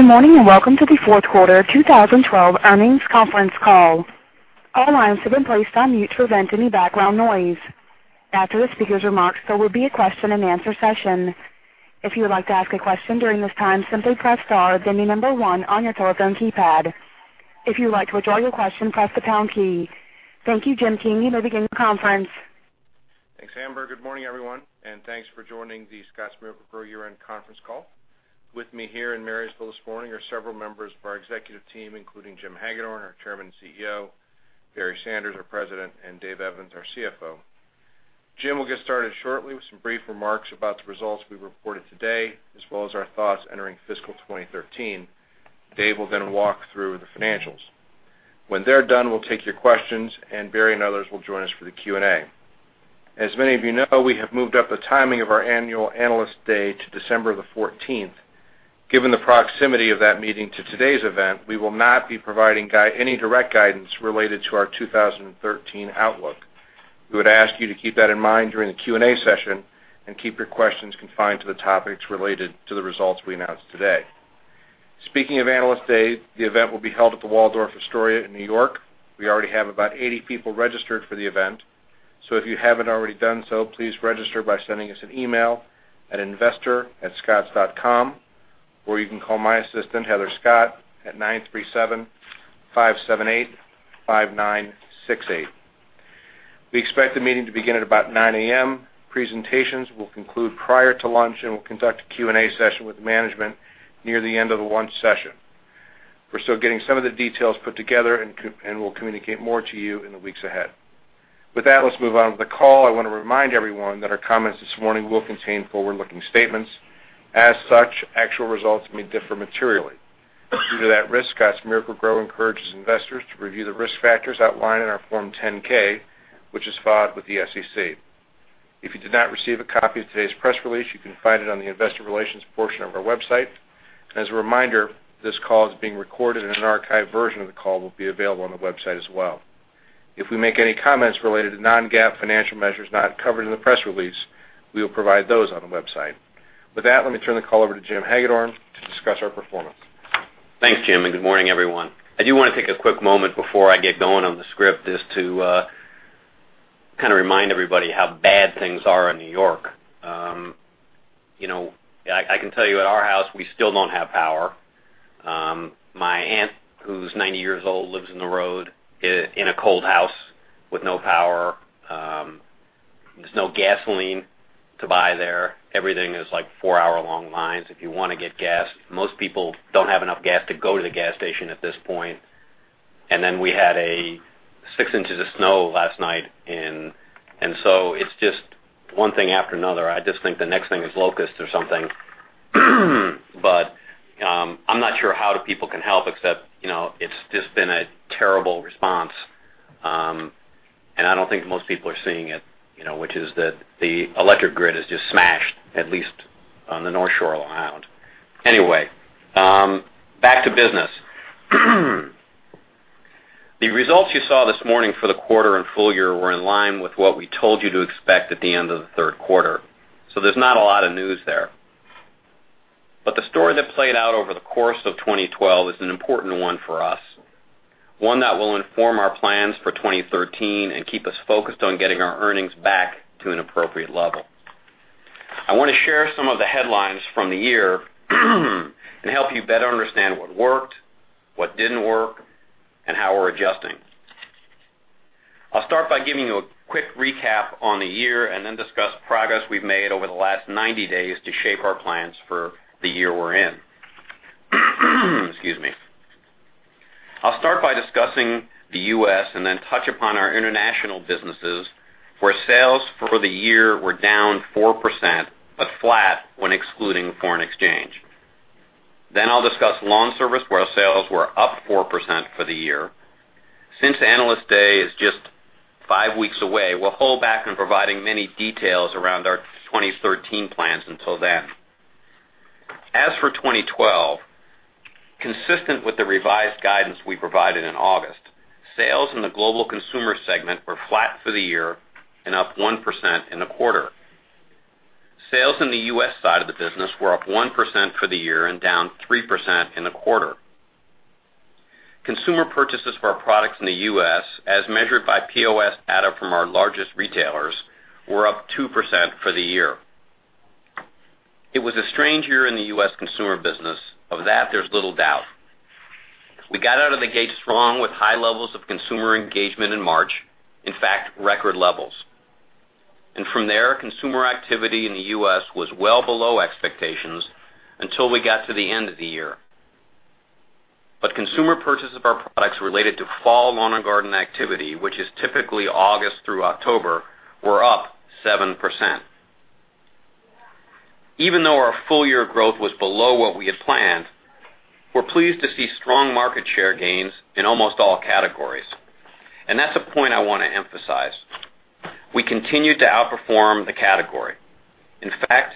Good morning, welcome to the fourth quarter 2012 earnings conference call. All lines have been placed on mute to prevent any background noise. After the speaker's remarks, there will be a question and answer session. If you would like to ask a question during this time, simply press star, then number 1 on your telephone keypad. If you would like to withdraw your question, press the pound key. Thank you. Jim King, you may begin your conference. Thanks, Amber. Good morning, everyone, thanks for joining the Scotts Miracle-Gro year-end conference call. With me here in Marysville this morning are several members of our executive team, including Jim Hagedorn, our Chairman and CEO, Barry Sanders, our President, and Dave Evans, our CFO. Jim will get started shortly with some brief remarks about the results we reported today, as well as our thoughts entering fiscal 2013. Dave will walk through the financials. When they're done, we'll take your questions, Barry and others will join us for the Q&A. As many of you know, we have moved up the timing of our annual Analyst Day to December 14th. Given the proximity of that meeting to today's event, we will not be providing any direct guidance related to our 2013 outlook. We would ask you to keep that in mind during the Q&A session, keep your questions confined to the topics related to the results we announced today. Speaking of Analyst Day, the event will be held at the Waldorf Astoria in New York. We already have about 80 people registered for the event. If you haven't already done so, please register by sending us an email at investor@scotts.com, or you can call my assistant, Heather Scott, at nine three seven five seven eight five nine six eight. We expect the meeting to begin at about 9:00 A.M. Presentations will conclude prior to lunch, we'll conduct a Q&A session with management near the end of the lunch session. We're still getting some of the details put together, we'll communicate more to you in the weeks ahead. With that, let's move on with the call. I want to remind everyone that our comments this morning will contain forward-looking statements. As such, actual results may differ materially. Due to that risk, Scotts Miracle-Gro encourages investors to review the risk factors outlined in our Form 10-K, which is filed with the SEC. If you did not receive a copy of today's press release, you can find it on the investor relations portion of our website. As a reminder, this call is being recorded, an archived version of the call will be available on the website as well. If we make any comments related to non-GAAP financial measures not covered in the press release, we will provide those on the website. With that, let me turn the call over to Jim Hagedorn to discuss our performance. Thanks, Jim, good morning, everyone. I do want to take a quick moment before I get going on the script, just to kind of remind everybody how bad things are in New York. I can tell you at our house, we still don't have power. My aunt, who's 90 years old, lives in the road in a cold house with no power. There's no gasoline to buy there. Everything is four-hour-long lines if you want to get gas. Most people don't have enough gas to go to the gas station at this point. We had six inches of snow last night, so it's just one thing after another. I just think the next thing is locusts or something. I'm not sure how the people can help except it's just been a terrible response. I don't think most people are seeing it, which is that the electric grid is just smashed, at least on the North Shore Long Island. Anyway, back to business. The results you saw this morning for the quarter and full year were in line with what we told you to expect at the end of the third quarter. There's not a lot of news there. The story that played out over the course of 2012 is an important one for us, one that will inform our plans for 2013 and keep us focused on getting our earnings back to an appropriate level. I want to share some of the headlines from the year and help you better understand what worked, what didn't work, and how we're adjusting. I'll start by giving you a quick recap on the year and discuss progress we've made over the last 90 days to shape our plans for the year we're in. Excuse me. I'll start by discussing the U.S. and touch upon our international businesses, where sales for the year were down 4%, but flat when excluding foreign exchange. I'll discuss lawn service, where our sales were up 4% for the year. Since Analyst Day is just five weeks away, we'll hold back on providing many details around our 2013 plans until then. As for 2012, consistent with the revised guidance we provided in August, sales in the global consumer segment were flat for the year and up 1% in the quarter. Sales in the U.S. side of the business were up 1% for the year and down 3% in the quarter. Consumer purchases for our products in the U.S., as measured by POS data from our largest retailers, were up 2% for the year. It was a strange year in the U.S. consumer business. Of that, there's little doubt. We got out of the gate strong with high levels of consumer engagement in March, in fact, record levels. From there, consumer activity in the U.S. was well below expectations until we got to the end of the year. Consumer purchase of our products related to fall lawn and garden activity, which is typically August through October, were up 7%. Even though our full year growth was below what we had planned, we're pleased to see strong market share gains in almost all categories. That's a point I want to emphasize. We continued to outperform the category. In fact,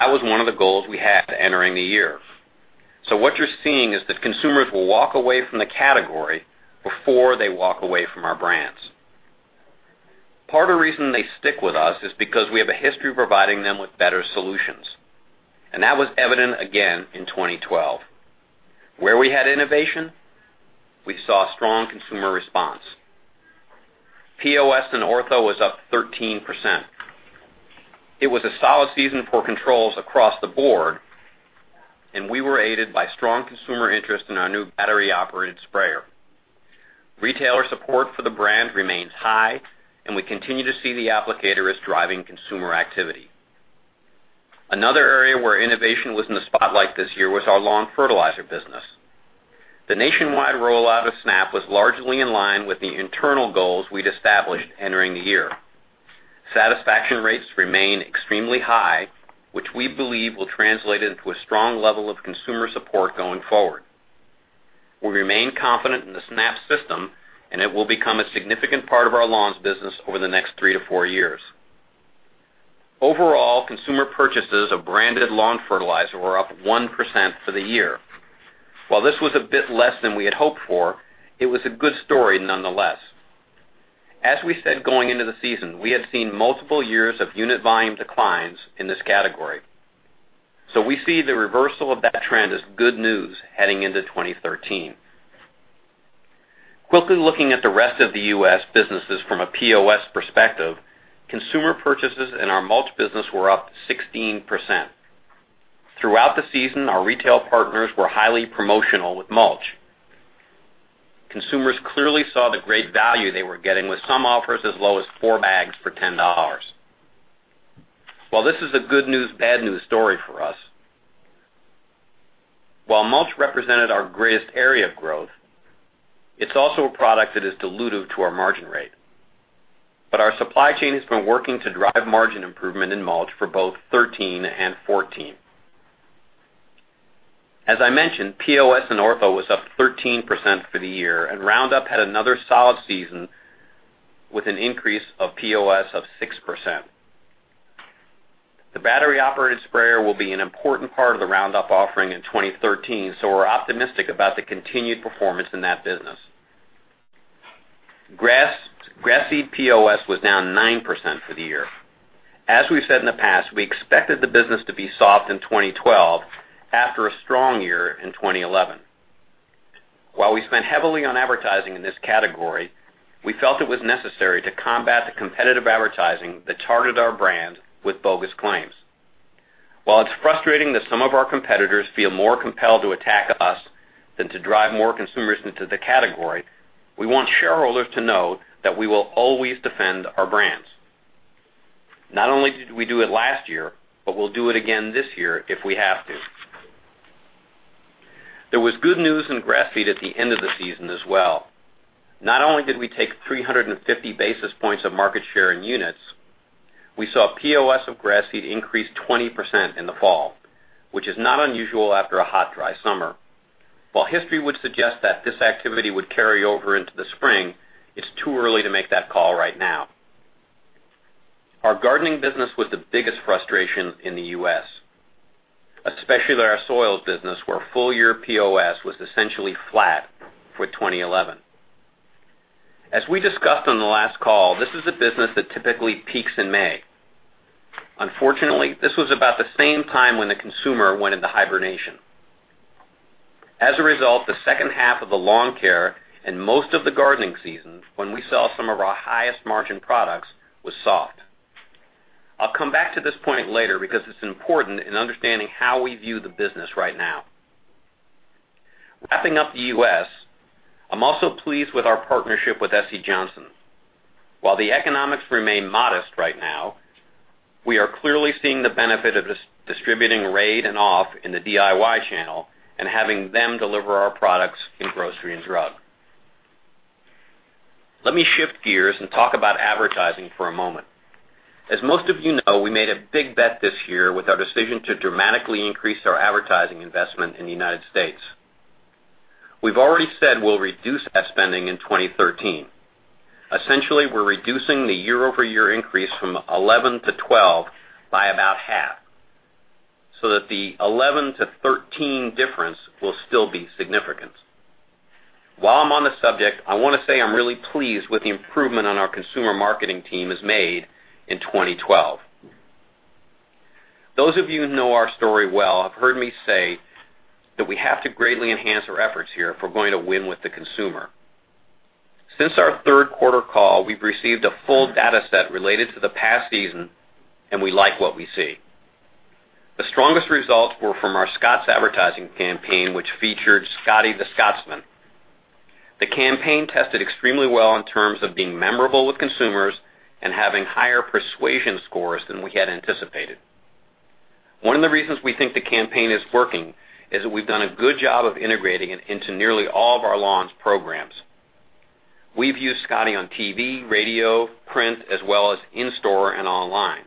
that was one of the goals we had entering the year. What you're seeing is that consumers will walk away from the category before they walk away from our brands. Part of the reason they stick with us is because we have a history of providing them with better solutions, and that was evident again in 2012. Where we had innovation, we saw strong consumer response. POS in Ortho was up 13%. It was a solid season for controls across the board, and we were aided by strong consumer interest in our new battery-operated sprayer. Retailer support for the brand remains high, and we continue to see the applicator as driving consumer activity. Another area where innovation was in the spotlight this year was our lawn fertilizer business. The nationwide rollout of Snap was largely in line with the internal goals we'd established entering the year. Satisfaction rates remain extremely high, which we believe will translate into a strong level of consumer support going forward. We remain confident in the Snap system, and it will become a significant part of our lawns business over the next three to four years. Overall, consumer purchases of branded lawn fertilizer were up 1% for the year. While this was a bit less than we had hoped for, it was a good story nonetheless. As we said going into the season, we had seen multiple years of unit volume declines in this category. We see the reversal of that trend as good news heading into 2013. Quickly looking at the rest of the U.S. businesses from a POS perspective, consumer purchases in our mulch business were up 16%. Throughout the season, our retail partners were highly promotional with mulch. Consumers clearly saw the great value they were getting, with some offers as low as four bags for $10. While this is a good news, bad news story for us, while mulch represented our greatest area of growth, it's also a product that is dilutive to our margin rate. Our supply chain has been working to drive margin improvement in mulch for both 2013 and 2014. As I mentioned, POS in Ortho was up 13% for the year, and Roundup had another solid season with an increase of POS of 6%. The battery-operated sprayer will be an important part of the Roundup offering in 2013. We're optimistic about the continued performance in that business. Grass seed POS was down 9% for the year. As we've said in the past, we expected the business to be soft in 2012 after a strong year in 2011. While we spent heavily on advertising in this category, we felt it was necessary to combat the competitive advertising that targeted our brand with bogus claims. While it's frustrating that some of our competitors feel more compelled to attack us than to drive more consumers into the category, we want shareholders to know that we will always defend our brands. Not only did we do it last year, but we'll do it again this year if we have to. There was good news in grass seed at the end of the season as well. Not only did we take 350 basis points of market share in units, we saw POS of grass seed increase 20% in the fall, which is not unusual after a hot, dry summer. While history would suggest that this activity would carry over into the spring, it's too early to make that call right now. Our gardening business was the biggest frustration in the U.S., especially our soils business, where full-year POS was essentially flat for 2011. As we discussed on the last call, this is a business that typically peaks in May. Unfortunately, this was about the same time when the consumer went into hibernation. As a result, the second half of the lawn care and most of the gardening season, when we sell some of our highest margin products, was soft. I'll come back to this point later because it's important in understanding how we view the business right now. Wrapping up the U.S., I'm also pleased with our partnership with S. C. Johnson. While the economics remain modest right now, we are clearly seeing the benefit of distributing Raid and Off! in the DIY channel and having them deliver our products in grocery and drug. Let me shift gears and talk about advertising for a moment. As most of you know, we made a big bet this year with our decision to dramatically increase our advertising investment in the United States. We've already said we'll reduce ad spending in 2013. Essentially, we're reducing the year-over-year increase from 2011 to 2012 by about half, so that the 2011 to 2013 difference will still be significant. While I'm on the subject, I want to say I'm really pleased with the improvement on our consumer marketing team has made in 2012. Those of you who know our story well have heard me say that we have to greatly enhance our efforts here if we're going to win with the consumer. Since our third quarter call, we've received a full data set related to the past season, and we like what we see. The strongest results were from our Scotts advertising campaign, which featured Scotty the Scotsman. The campaign tested extremely well in terms of being memorable with consumers and having higher persuasion scores than we had anticipated. One of the reasons we think the campaign is working is that we've done a good job of integrating it into nearly all of our lawns programs. We've used Scotty on TV, radio, print, as well as in store and online.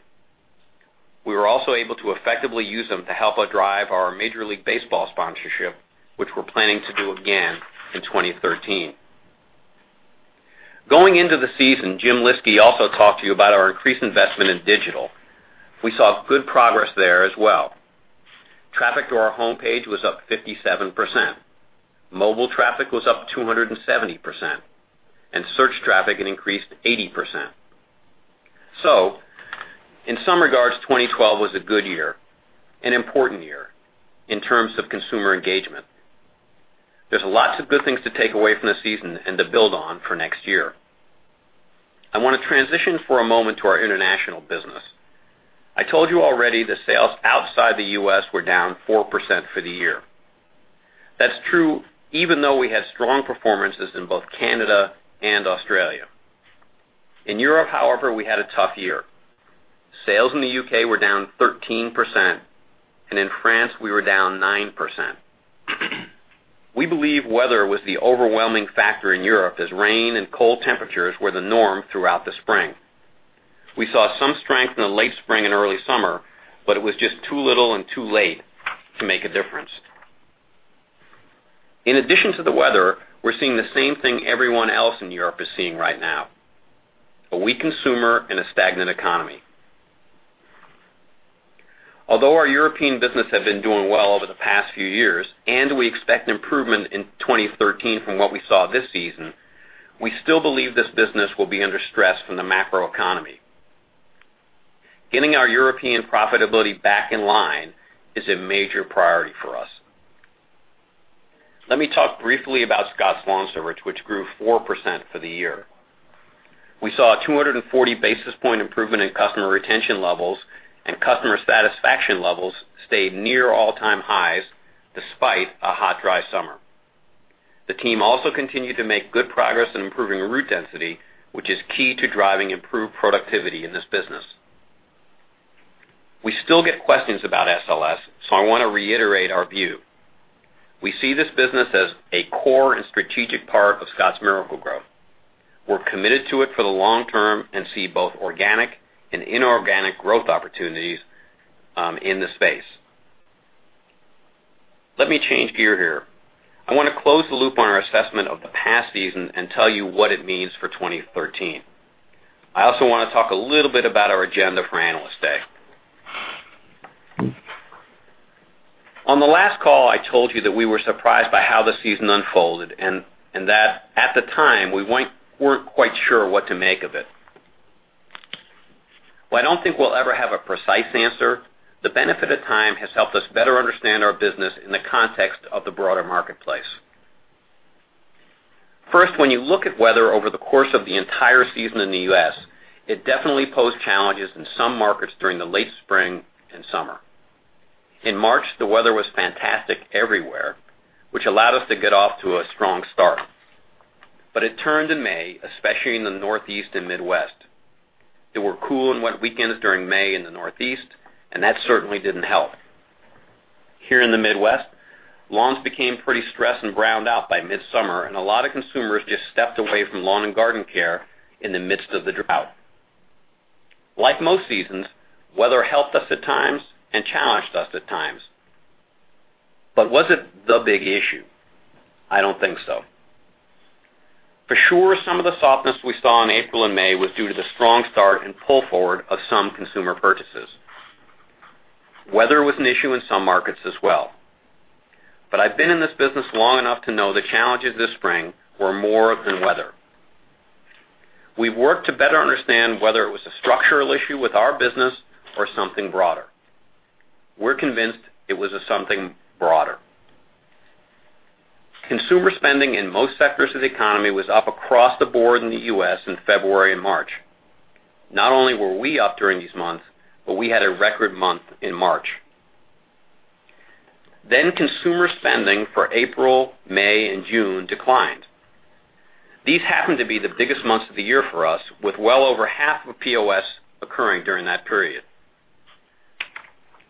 We were also able to effectively use him to help drive our Major League Baseball sponsorship, which we're planning to do again in 2013. Going into the season, Jim Lyski also talked to you about our increased investment in digital. We saw good progress there as well. Traffic to our homepage was up 57%. Mobile traffic was up 270%, and search traffic had increased 80%. In some regards, 2012 was a good year, an important year in terms of consumer engagement. There's lots of good things to take away from the season and to build on for next year. I want to transition for a moment to our international business. I told you already that sales outside the U.S. were down 4% for the year. That's true even though we had strong performances in both Canada and Australia. In Europe, however, we had a tough year. Sales in the U.K. were down 13%, and in France, we were down 9%. We believe weather was the overwhelming factor in Europe, as rain and cold temperatures were the norm throughout the spring. We saw some strength in the late spring and early summer, but it was just too little and too late to make a difference. In addition to the weather, we're seeing the same thing everyone else in Europe is seeing right now, a weak consumer and a stagnant economy. Although our European business had been doing well over the past few years, and we expect improvement in 2013 from what we saw this season, we still believe this business will be under stress from the macroeconomy. Getting our European profitability back in line is a major priority for us. Let me talk briefly about Scotts LawnService, which grew 4% for the year. We saw a 240-basis-point improvement in customer retention levels, and customer satisfaction levels stayed near all-time highs despite a hot, dry summer. The team also continued to make good progress in improving route density, which is key to driving improved productivity in this business. We still get questions about SLS, so I want to reiterate our view. We see this business as a core and strategic part of Scotts Miracle-Gro. We're committed to it for the long term and see both organic and inorganic growth opportunities in the space. Let me change gear here. I want to close the loop on our assessment of the past season and tell you what it means for 2013. I also want to talk a little bit about our agenda for Analyst Day. On the last call, I told you that we were surprised by how the season unfolded, and that at the time, we weren't quite sure what to make of it. While I don't think we'll ever have a precise answer, the benefit of time has helped us better understand our business in the context of the broader marketplace. First, when you look at weather over the course of the entire season in the U.S., it definitely posed challenges in some markets during the late spring and summer. In March, the weather was fantastic everywhere, which allowed us to get off to a strong start. It turned in May, especially in the Northeast and Midwest. There were cool and wet weekends during May in the Northeast, and that certainly didn't help. Here in the Midwest, lawns became pretty stressed and browned out by midsummer. A lot of consumers just stepped away from lawn and garden care in the midst of the drought. Like most seasons, weather helped us at times and challenged us at times. Was it the big issue? I don't think so. For sure, some of the softness we saw in April and May was due to the strong start and pull forward of some consumer purchases. Weather was an issue in some markets as well. I've been in this business long enough to know the challenges this spring were more than weather. We've worked to better understand whether it was a structural issue with our business or something broader. We're convinced it was something broader. Consumer spending in most sectors of the economy was up across the board in the U.S. in February and March. Not only were we up during these months, we had a record month in March. Consumer spending for April, May, and June declined. These happened to be the biggest months of the year for us, with well over half of POS occurring during that period.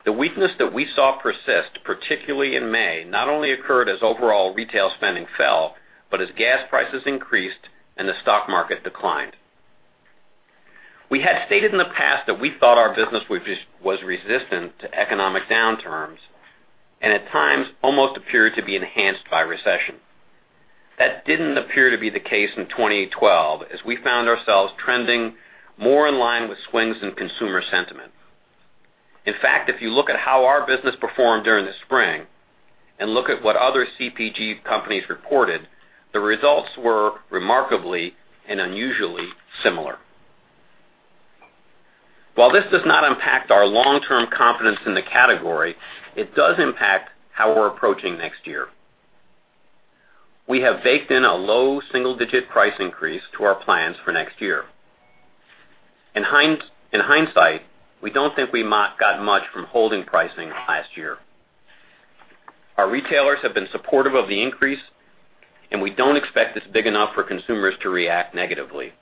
The weakness that we saw persist, particularly in May, not only occurred as overall retail spending fell, but as gas prices increased and the stock market declined. We had stated in the past that we thought our business was resistant to economic downturns and at times almost appeared to be enhanced by recession. That didn't appear to be the case in 2012, as we found ourselves trending more in line with swings in consumer sentiment. In fact, if you look at how our business performed during the spring and look at what other CPG companies reported, the results were remarkably and unusually similar. While this does not impact our long-term confidence in the category, it does impact how we're approaching next year. We have baked in a low single-digit price increase to our plans for next year. In hindsight, we don't think we got much from holding pricing last year. Our retailers have been supportive of the increase. We don't expect this big enough for consumers to react negatively.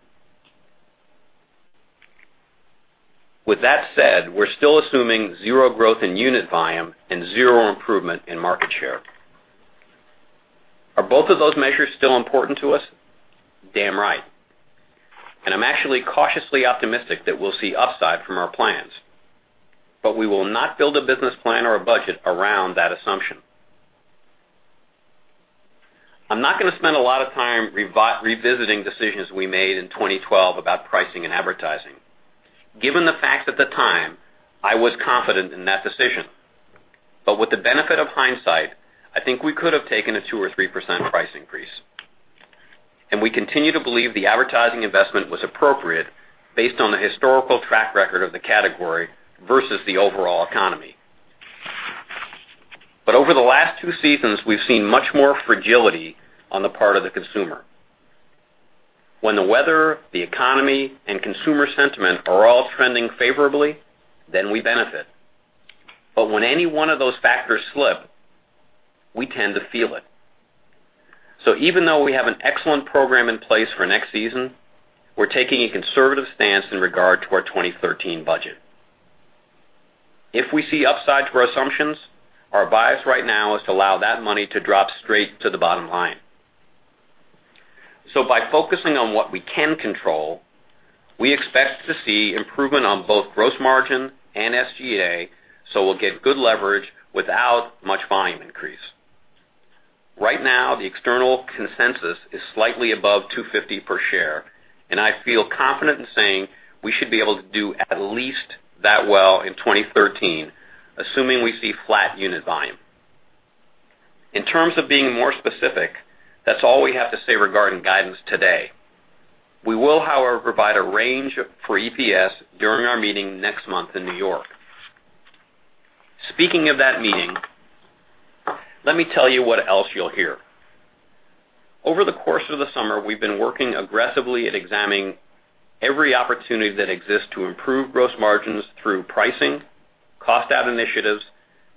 With that said, we're still assuming zero growth in unit volume and zero improvement in market share. Are both of those measures still important to us? Damn right. I'm actually cautiously optimistic that we'll see upside from our plans. We will not build a business plan or a budget around that assumption. I'm not going to spend a lot of time revisiting decisions we made in 2012 about pricing and advertising. Given the facts at the time, I was confident in that decision. With the benefit of hindsight, I think we could have taken a 2% or 3% price increase. We continue to believe the advertising investment was appropriate based on the historical track record of the category versus the overall economy. Over the last two seasons, we've seen much more fragility on the part of the consumer. When the weather, the economy, and consumer sentiment are all trending favorably, then we benefit. When any one of those factors slip, we tend to feel it. Even though we have an excellent program in place for next season, we're taking a conservative stance in regard to our 2013 budget. If we see upsides to our assumptions, our bias right now is to allow that money to drop straight to the bottom line. By focusing on what we can control, we expect to see improvement on both gross margin and SGA, so we'll get good leverage without much volume increase. Right now, the external consensus is slightly above 250 per share. I feel confident in saying we should be able to do at least that well in 2013, assuming we see flat unit volume. In terms of being more specific, that's all we have to say regarding guidance today. We will, however, provide a range for EPS during our meeting next month in New York. Speaking of that meeting, let me tell you what else you'll hear. Over the course of the summer, we've been working aggressively at examining every opportunity that exists to improve gross margins through pricing, cost-out initiatives,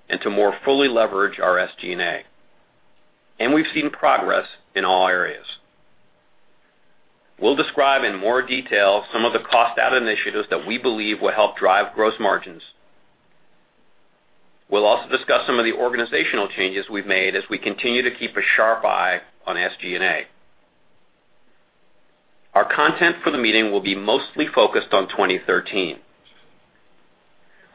and to more fully leverage our SG&A. We've seen progress in all areas. We'll describe in more detail some of the cost-out initiatives that we believe will help drive gross margins. We'll also discuss some of the organizational changes we've made as we continue to keep a sharp eye on SG&A. Our content for the meeting will be mostly focused on 2013.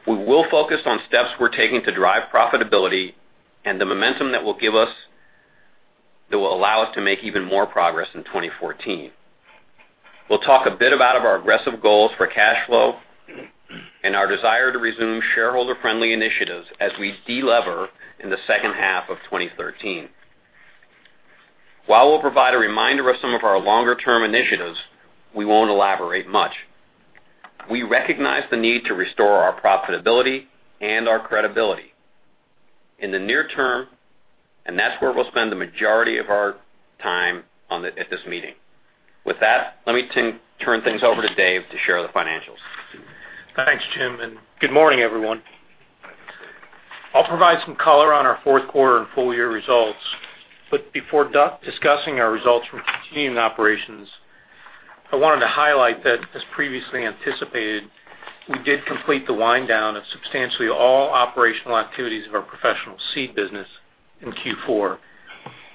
We will focus on steps we're taking to drive profitability and the momentum that will allow us to make even more progress in 2014. We'll talk a bit about our aggressive goals for cash flow and our desire to resume shareholder-friendly initiatives as we de-lever in the second half of 2013. While we'll provide a reminder of some of our longer-term initiatives, we won't elaborate much. We recognize the need to restore our profitability and our credibility in the near term, and that's where we'll spend the majority of our time at this meeting. With that, let me turn things over to Dave to share the financials. Thanks, Jim, and good morning, everyone. I'll provide some color on our fourth quarter and full-year results. Before discussing our results from continuing operations, I wanted to highlight that, as previously anticipated, we did complete the wind-down of substantially all operational activities of our professional seed business in Q4.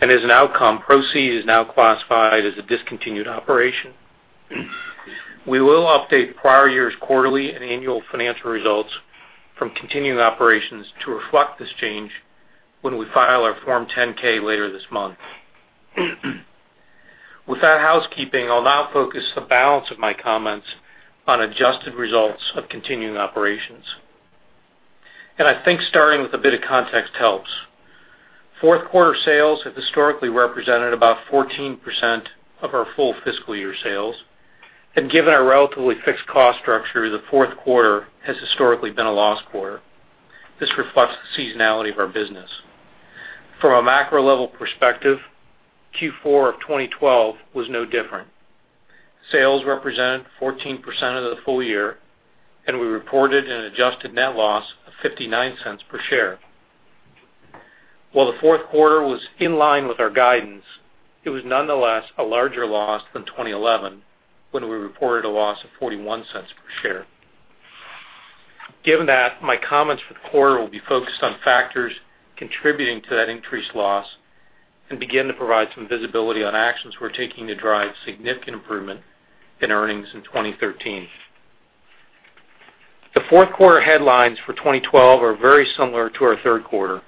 As an outcome, ProSeed is now classified as a discontinued operation. We will update prior year's quarterly and annual financial results from continuing operations to reflect this change when we file our Form 10-K later this month. With that housekeeping, I'll now focus the balance of my comments on adjusted results of continuing operations. I think starting with a bit of context helps. Fourth quarter sales have historically represented about 14% of our full fiscal year sales. Given our relatively fixed cost structure, the fourth quarter has historically been a loss quarter. This reflects the seasonality of our business. From a macro level perspective, Q4 of 2012 was no different. Sales represented 14% of the full year. We reported an adjusted net loss of $0.59 per share. While the fourth quarter was in line with our guidance, it was nonetheless a larger loss than 2011, when we reported a loss of $0.41 per share. Given that, my comments for the quarter will be focused on factors contributing to that increased loss and begin to provide some visibility on actions we're taking to drive significant improvement in earnings in 2013. The fourth quarter headlines for 2012 are very similar to our third quarter,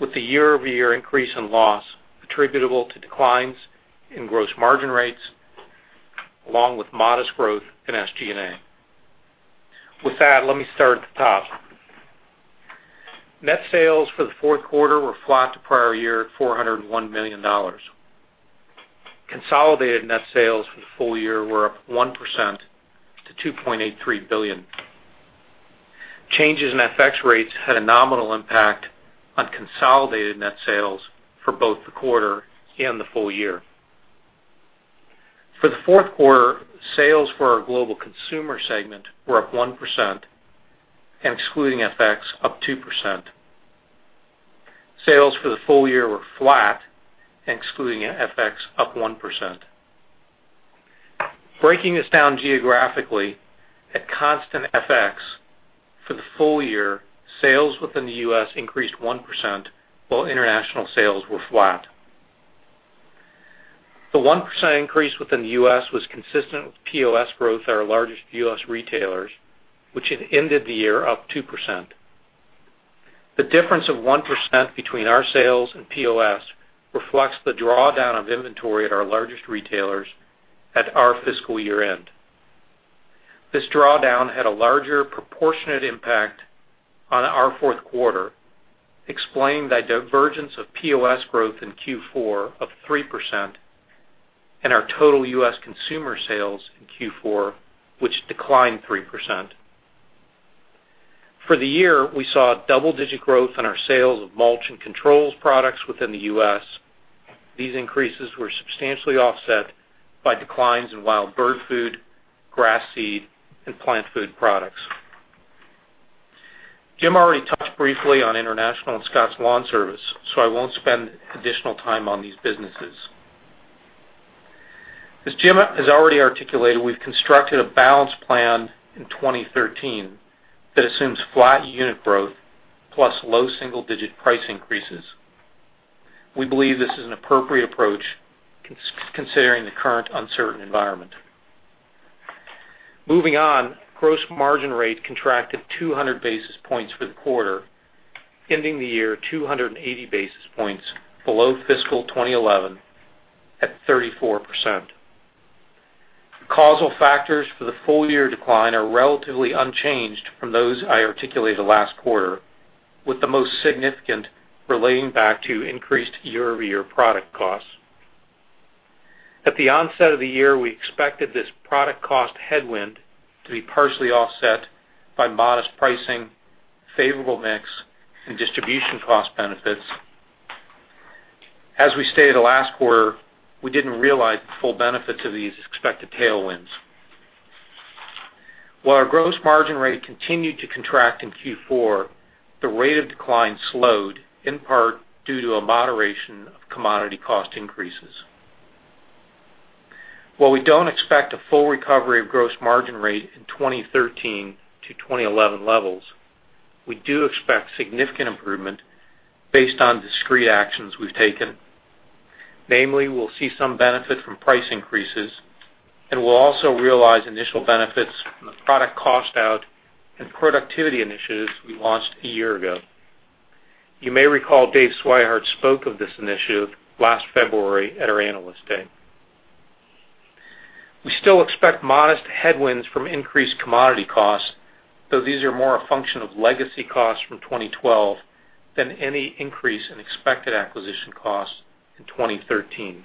with the year-over-year increase in loss attributable to declines in gross margin rates, along with modest growth in SG&A. With that, let me start at the top. Net sales for the fourth quarter were flat to prior year at $401 million. Consolidated net sales for the full year were up 1% to $2.83 billion. Changes in FX rates had a nominal impact on consolidated net sales for both the quarter and the full year. For the fourth quarter, sales for our global consumer segment were up 1%, and excluding FX, up 2%. Sales for the full year were flat and excluding FX, up 1%. Breaking this down geographically, at constant FX for the full year, sales within the U.S. increased 1%, while international sales were flat. The 1% increase within the U.S. was consistent with POS growth at our largest U.S. retailers, which had ended the year up 2%. The difference of 1% between our sales and POS reflects the drawdown of inventory at our largest retailers at our fiscal year-end. This drawdown had a larger proportionate impact on our fourth quarter, explaining the divergence of POS growth in Q4 of 3% and our total U.S. consumer sales in Q4, which declined 3%. For the year, we saw double-digit growth in our sales of mulch and controls products within the U.S. These increases were substantially offset by declines in wild bird food, grass seed, and plant food products. Jim already touched briefly on international and Scotts LawnService. I won't spend additional time on these businesses. As Jim has already articulated, we've constructed a balanced plan in 2013 that assumes flat unit growth plus low single-digit price increases. We believe this is an appropriate approach considering the current uncertain environment. Moving on, gross margin rate contracted 200 basis points for the quarter, ending the year 280 basis points below fiscal 2011 at 34%. The causal factors for the full-year decline are relatively unchanged from those I articulated last quarter, with the most significant relating back to increased year-over-year product costs. At the onset of the year, we expected this product cost headwind to be partially offset by modest pricing, favorable mix, and distribution cost benefits. As we stated last quarter, we didn't realize the full benefits of these expected tailwinds. While our gross margin rate continued to contract in Q4, the rate of decline slowed, in part due to a moderation of commodity cost increases. While we don't expect a full recovery of gross margin rate in 2013 to 2011 levels, we do expect significant improvement based on discrete actions we've taken. Namely, we'll see some benefit from price increases, and we'll also realize initial benefits from the product cost out and productivity initiatives we launched a year ago. You may recall Dave Swihart spoke of this initiative last February at our Analyst Day. We still expect modest headwinds from increased commodity costs, though these are more a function of legacy costs from 2012 than any increase in expected acquisition costs in 2013.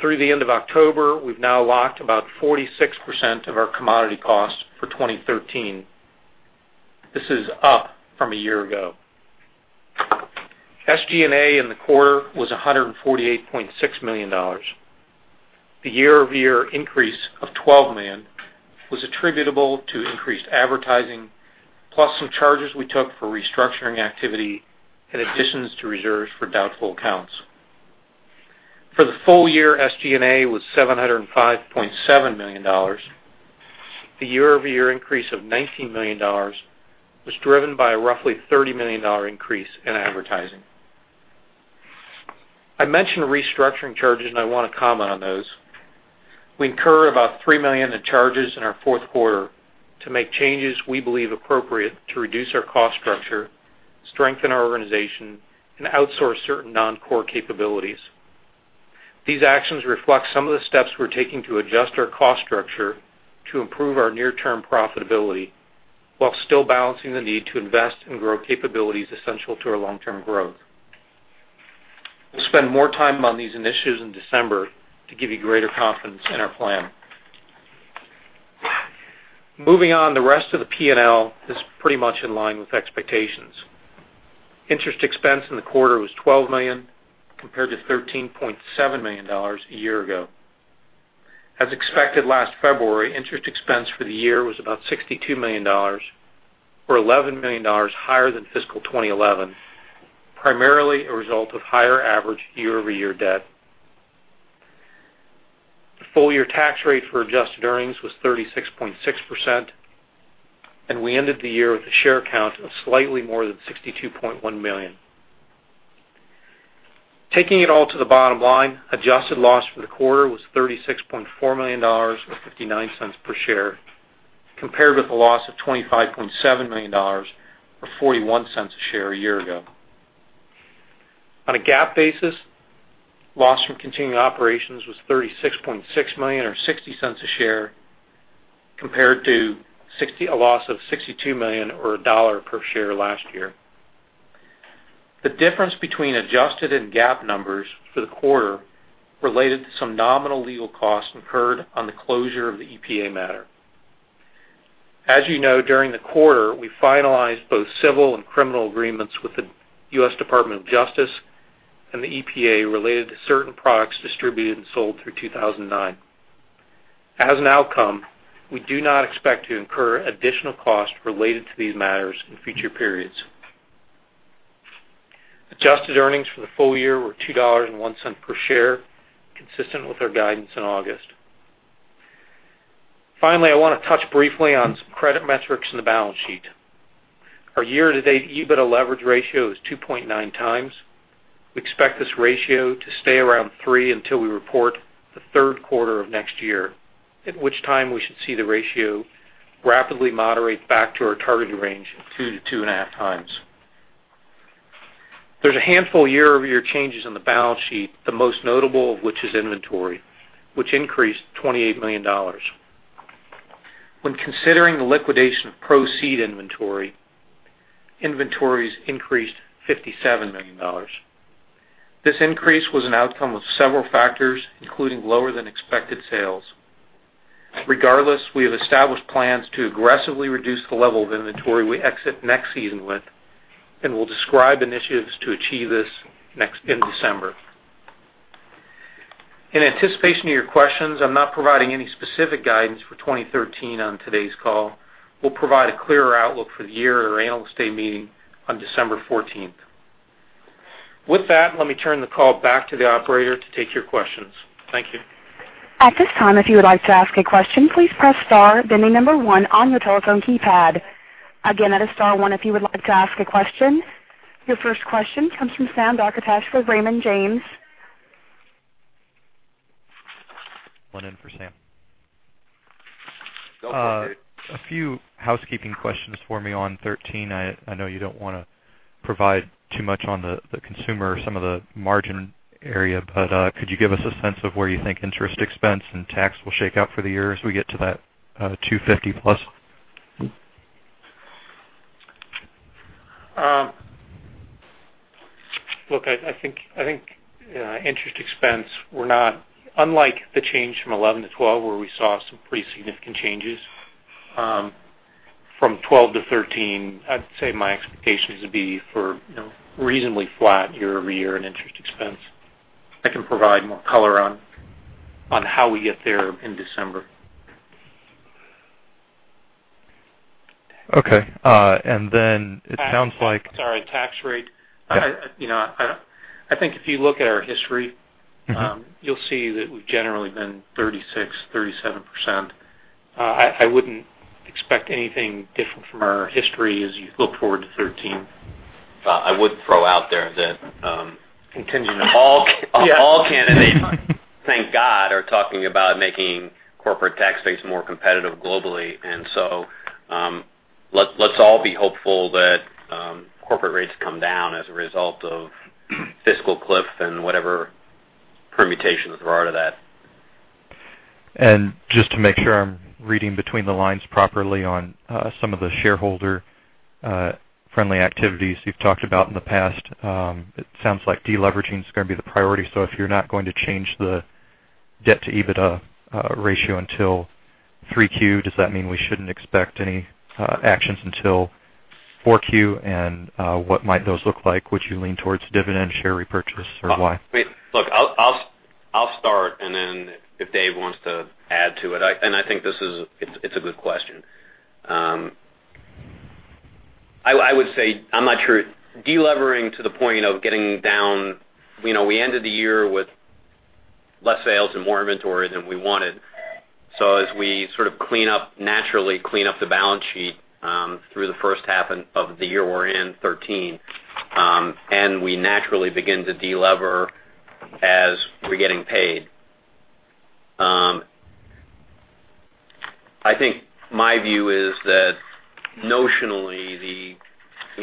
Through the end of October, we've now locked about 46% of our commodity costs for 2013. This is up from a year ago. SG&A in the quarter was $148.6 million. The year-over-year increase of $12 million was attributable to increased advertising, plus some charges we took for restructuring activity and additions to reserves for doubtful accounts. For the full year, SG&A was $705.7 million. The year-over-year increase of $19 million was driven by a roughly $30 million increase in advertising. I mentioned restructuring charges. I want to comment on those. We incurred about $3 million in charges in our fourth quarter to make changes we believe appropriate to reduce our cost structure, strengthen our organization, and outsource certain non-core capabilities. These actions reflect some of the steps we're taking to adjust our cost structure to improve our near-term profitability while still balancing the need to invest and grow capabilities essential to our long-term growth. We'll spend more time on these initiatives in December to give you greater confidence in our plan. Moving on, the rest of the P&L is pretty much in line with expectations. Interest expense in the quarter was $12 million, compared to $13.7 million a year ago. As expected last February, interest expense for the year was about $62 million, or $11 million higher than fiscal 2011, primarily a result of higher average year-over-year debt. The full-year tax rate for adjusted earnings was 36.6%, and we ended the year with a share count of slightly more than 62.1 million. Taking it all to the bottom line, adjusted loss for the quarter was $36.4 million or $0.59 per share, compared with a loss of $25.7 million or $0.41 a share a year ago. On a GAAP basis, loss from continuing operations was $36.6 million or $0.60 a share, compared to a loss of $62 million or $1 per share last year. The difference between adjusted and GAAP numbers for the quarter related to some nominal legal costs incurred on the closure of the EPA matter. As you know, during the quarter, we finalized both civil and criminal agreements with the U.S. Department of Justice and the EPA related to certain products distributed and sold through 2009. As an outcome, we do not expect to incur additional costs related to these matters in future periods. Adjusted earnings for the full year were $2.01 per share, consistent with our guidance in August. Finally, I want to touch briefly on some credit metrics in the balance sheet. Our year-to-date EBITDA leverage ratio is 2.9 times We expect this ratio to stay around three until we report the third quarter of next year, at which time we should see the ratio rapidly moderate back to our targeted range of 2 to 2.5 times. There's a handful of year-over-year changes in the balance sheet, the most notable of which is inventory, which increased $28 million. When considering the liquidation of ProSeed inventory, inventories increased $57 million. This increase was an outcome of several factors, including lower than expected sales. Regardless, we have established plans to aggressively reduce the level of inventory we exit next season with, and we'll describe initiatives to achieve this in December. In anticipation of your questions, I'm not providing any specific guidance for 2013 on today's call. We'll provide a clearer outlook for the year at our Analyst Day meeting on December 14th. With that, let me turn the call back to the operator to take your questions. Thank you. At this time, if you would like to ask a question, please press star, then the number 1 on your telephone keypad. Again, that is star one if you would like to ask a question. Your first question comes from Sam Darkatsh with Raymond James. One in for Sam. Go for it. A few housekeeping questions for me on 13. I know you don't want to provide too much on the consumer or some of the margin area, but could you give us a sense of where you think interest expense and tax will shake out for the year as we get to that 250+? Look, I think interest expense, unlike the change from 2011 to 2012, where we saw some pretty significant changes. From 2012 to 2013, I'd say my expectations would be for reasonably flat year-over-year in interest expense. I can provide more color on how we get there in December. Okay. It sounds like- Sorry. Tax rate. I think if you look at our history- you'll see that we've generally been 36%, 37%. I wouldn't expect anything different from our history as you look forward to 2013. I would throw out there that. Contingent. All candidates, thank God, are talking about making corporate tax rates more competitive globally. Let's all be hopeful that corporate rates come down as a result of fiscal cliff and whatever permutations there are to that. Just to make sure I'm reading between the lines properly on some of the shareholder-friendly activities you've talked about in the past. It sounds like de-leveraging is going to be the priority. If you're not going to change the debt to EBITDA ratio until three Q, does that mean we shouldn't expect any actions until four Q? What might those look like? Would you lean towards dividend, share repurchase, or why? Look, I'll start, and then if Dave wants to add to it. I think it's a good question. I would say I'm not sure. De-levering to the point of getting down. We ended the year with less sales and more inventory than we wanted. As we sort of naturally clean up the balance sheet through the first half of the year we're in, 2013, and we naturally begin to de-lever as we're getting paid. I think my view is that notionally,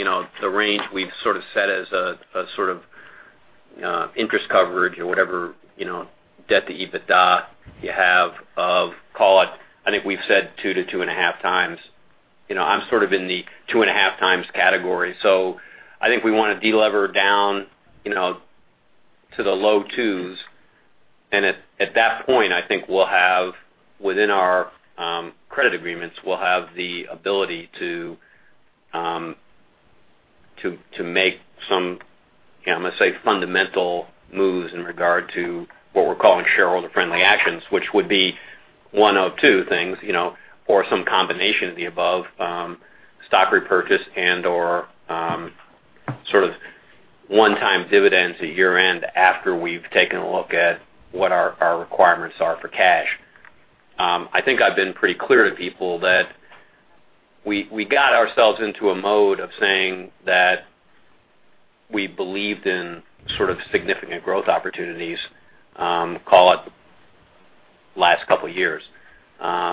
the range we've sort of set as an interest coverage or whatever, debt to EBITDA you have of, call it, I think we've said two to two and a half times. I'm sort of in the two and a half times category. I think we want to de-lever down to the low twos. At that point, I think within our credit agreements, we'll have the ability to make some, I'm going to say fundamental moves in regard to what we're calling shareholder-friendly actions, which would be one of two things or some combination of the above, stock repurchase and/or sort of one-time dividends at year-end after we've taken a look at what our requirements are for cash. I think I've been pretty clear to people that we got ourselves into a mode of saying that we believed in sort of significant growth opportunities, call it last couple of years. I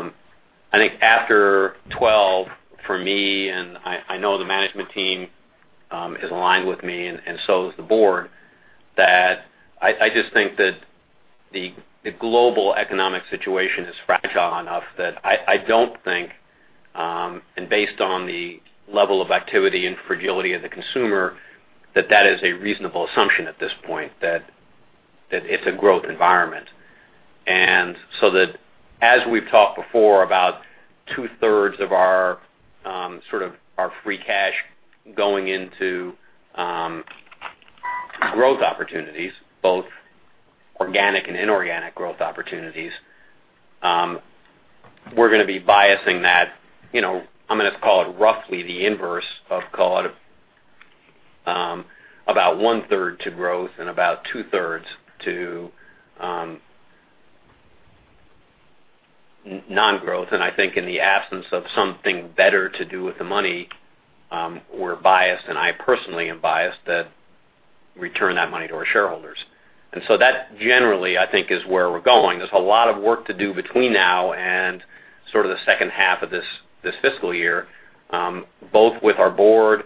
think after 2012, for me, and I know the management team is aligned with me and so is the board, that I just think that the global economic situation is fragile enough that I don't think, and based on the level of activity and fragility of the consumer, that that is a reasonable assumption at this point, that it's a growth environment. That as we've talked before about two-thirds of our sort of our free cash going into growth opportunities, both organic and inorganic growth opportunities. We're going to be biasing that. I'm going to call it roughly the inverse of, call it, about one-third to growth and about two-thirds to Non-growth. I think in the absence of something better to do with the money, we're biased, and I personally am biased to return that money to our shareholders. That generally, I think, is where we're going. There's a lot of work to do between now and sort of the second half of this fiscal year, both with our board,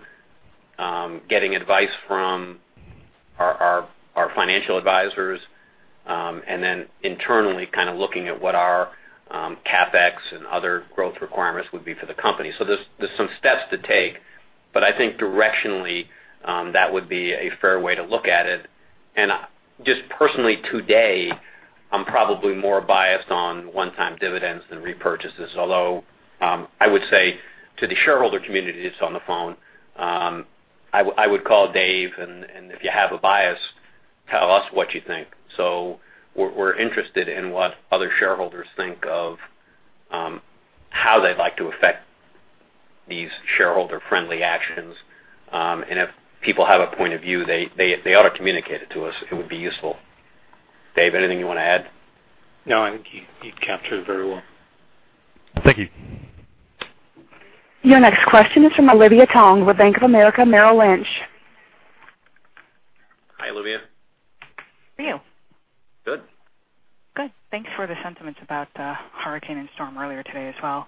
getting advice from our financial advisors, and then internally kind of looking at what our CapEx and other growth requirements would be for the company. There's some steps to take, but I think directionally, that would be a fair way to look at it. Just personally today, I'm probably more biased on one-time dividends than repurchases. Although, I would say to the shareholder community that's on the phone, I would call Dave, and if you have a bias, tell us what you think. We're interested in what other shareholders think of how they'd like to affect these shareholder-friendly actions. If people have a point of view, they ought to communicate it to us. It would be useful. Dave, anything you want to add? No, I think you captured it very well. Thank you. Your next question is from Olivia Tong with Bank of America Merrill Lynch. Hi, Olivia. How are you? Good. Good. Thanks for the sentiments about the hurricane and storm earlier today as well.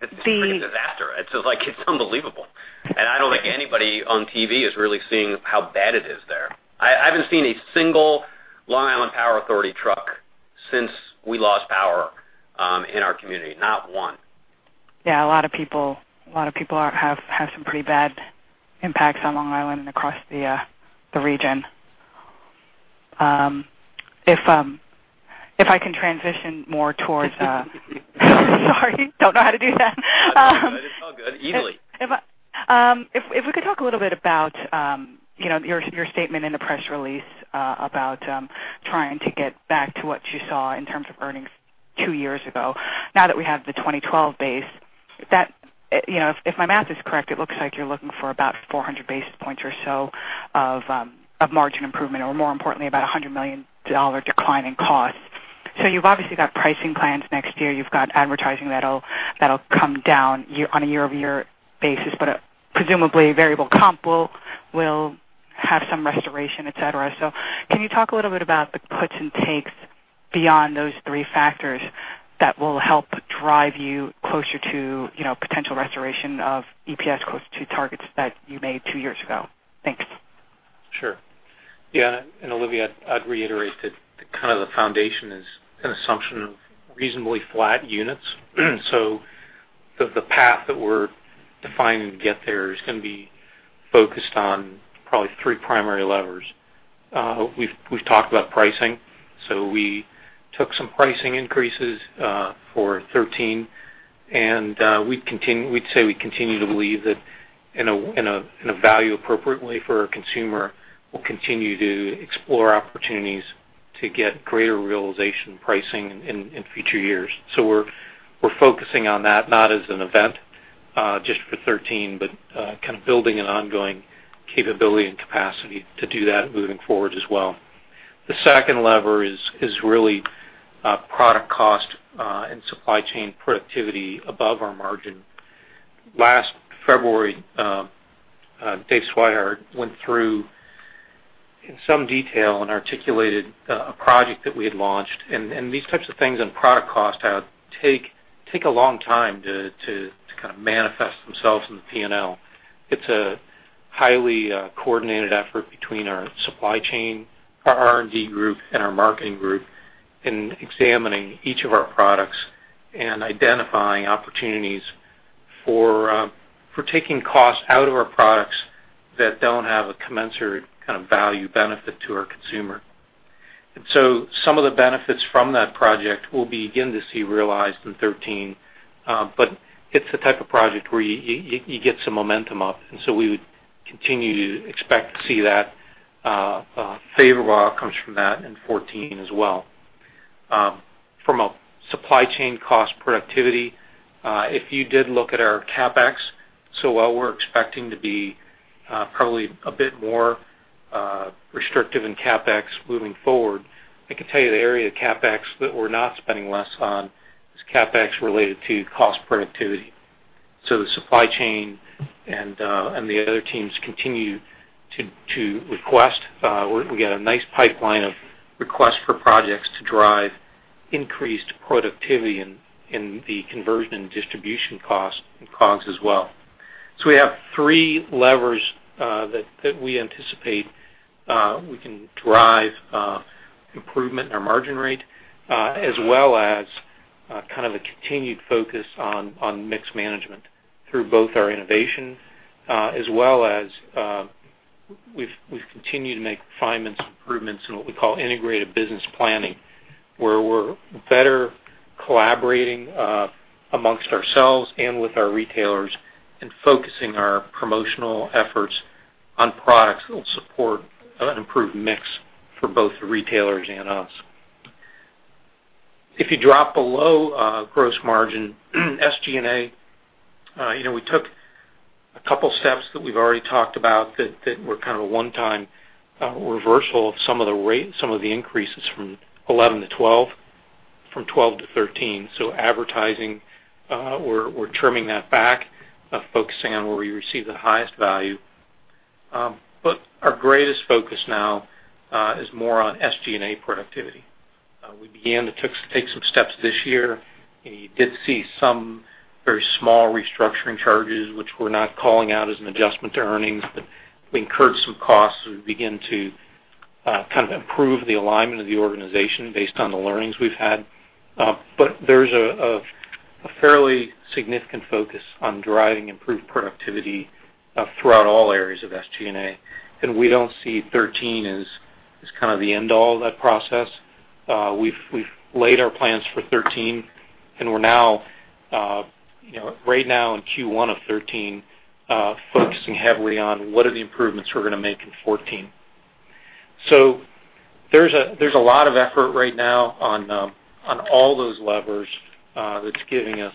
It's a pretty disaster. It's like it's unbelievable. I don't think anybody on TV is really seeing how bad it is there. I haven't seen a single Long Island Power Authority truck since we lost power in our community. Not one. Yeah, a lot of people have had some pretty bad impacts on Long Island and across the region. If I can transition more. Sorry, don't know how to do that. It's all good. Easily. If we could talk a little bit about your statement in the press release, about trying to get back to what you saw in terms of earnings two years ago. Now that we have the 2012 base, if my math is correct, it looks like you're looking for about 400 basis points or so of margin improvement, or more importantly, about $100 million decline in cost. You've obviously got pricing plans next year. You've got advertising that'll come down on a year-over-year basis, but presumably variable comp will have some restoration, et cetera. Can you talk a little bit about the puts and takes beyond those three factors that will help drive you closer to potential restoration of EPS closer to targets that you made two years ago? Thanks. Sure. Yeah, Olivia, I'd reiterate that kind of the foundation is an assumption of reasonably flat units. The path that we're defining to get there is going to be focused on probably three primary levers. We've talked about pricing. We took some pricing increases for 2013, and we'd say we continue to believe that in a value appropriate way for our consumer, we'll continue to explore opportunities to get greater realization pricing in future years. We're focusing on that, not as an event just for 2013, but kind of building an ongoing capability and capacity to do that moving forward as well. The second lever is really product cost and supply chain productivity above our margin. Last February, Dave Swihart went through in some detail and articulated a project that we had launched, and these types of things on product cost take a long time to kind of manifest themselves in the P&L. It's a highly coordinated effort between our supply chain, our R&D group, and our marketing group in examining each of our products and identifying opportunities for taking costs out of our products that don't have a commensurate kind of value benefit to our consumer. Some of the benefits from that project we'll begin to see realized in 2013. It's the type of project where you get some momentum up, we would continue to expect to see that favorable outcomes from that in 2014 as well. From a supply chain cost productivity, if you did look at our CapEx, while we're expecting to be probably a bit more restrictive in CapEx moving forward, I can tell you the area of CapEx that we're not spending less on is CapEx related to cost productivity. The supply chain and the other teams continue to request. We got a nice pipeline of requests for projects to drive increased productivity in the conversion and distribution costs, and COGS as well. We have three levers that we anticipate we can drive improvement in our margin rate, as well as kind of a continued focus on mix management through both our innovation as well as we've continued to make refinements, improvements in what we call integrated business planning, where we're better collaborating amongst ourselves and with our retailers and focusing our promotional efforts on products that will support an improved mix for both the retailers and us. If you drop below gross margin, SG&A, we took a couple steps that we've already talked about that were kind of a one-time reversal of some of the increases from 2011 to 2012, from 2012 to 2013. Advertising, we're trimming that back, focusing on where we receive the highest value. Our greatest focus now is more on SG&A productivity. We began to take some steps this year. You did see some very small restructuring charges, which we're not calling out as an adjustment to earnings, but we incurred some costs as we begin to kind of improve the alignment of the organization based on the learnings we've had. There's a fairly significant focus on driving improved productivity throughout all areas of SG&A. We don't see 2013 as kind of the end all of that process. We've laid our plans for 2013, and we're now, right now in Q1 of 2013, focusing heavily on what are the improvements we're going to make in 2014. There's a lot of effort right now on all those levers that's giving us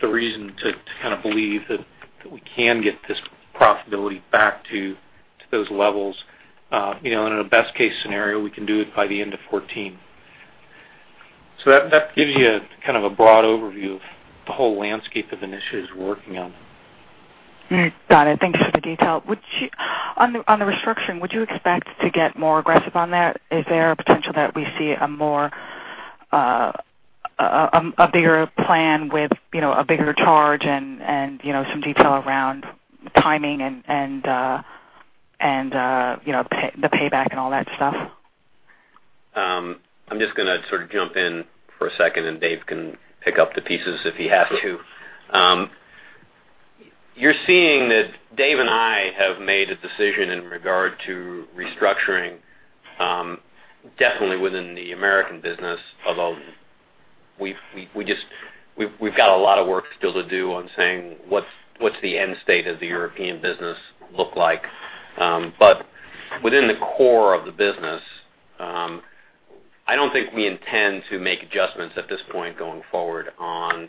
the reason to kind of believe that we can get this profitability back to those levels. In a best case scenario, we can do it by the end of 2014. That gives you kind of a broad overview of the whole landscape of initiatives we're working on. Got it. Thank you for the detail. On the restructuring, would you expect to get more aggressive on that? Is there a potential that we see a bigger plan with a bigger charge and some detail around timing and the payback and all that stuff? I'm just going to sort of jump in for a second, and Dave can pick up the pieces if he has to. You're seeing that Dave and I have made a decision in regard to restructuring definitely within the American business, although we've got a lot of work still to do on saying what's the end state of the European business look like. Within the core of the business, I don't think we intend to make adjustments at this point going forward on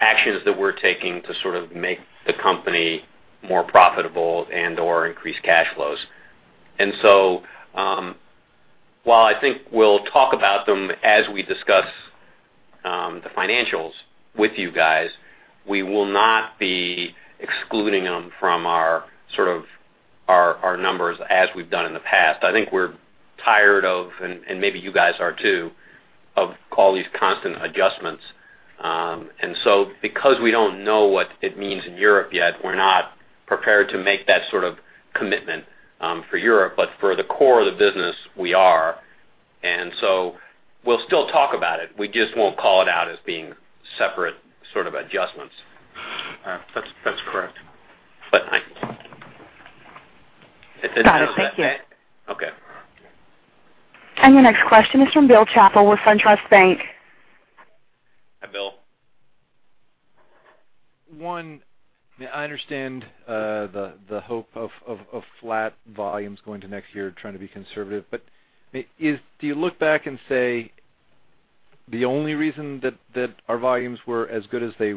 actions that we're taking to sort of make the company more profitable and/or increase cash flows. While I think we'll talk about them as we discuss the financials with you guys, we will not be excluding them from our numbers as we've done in the past. I think we're tired of, and maybe you guys are too, of all these constant adjustments. Because we don't know what it means in Europe yet, we're not prepared to make that sort of commitment for Europe, but for the core of the business, we are. We'll still talk about it. We just won't call it out as being separate sort of adjustments. That's correct. I Got it. Thank you. Okay. Your next question is from Bill Chappell with SunTrust Bank. Hi, Bill. One, I understand the hope of flat volumes going to next year trying to be conservative. Do you look back and say the only reason that our volumes were as good as they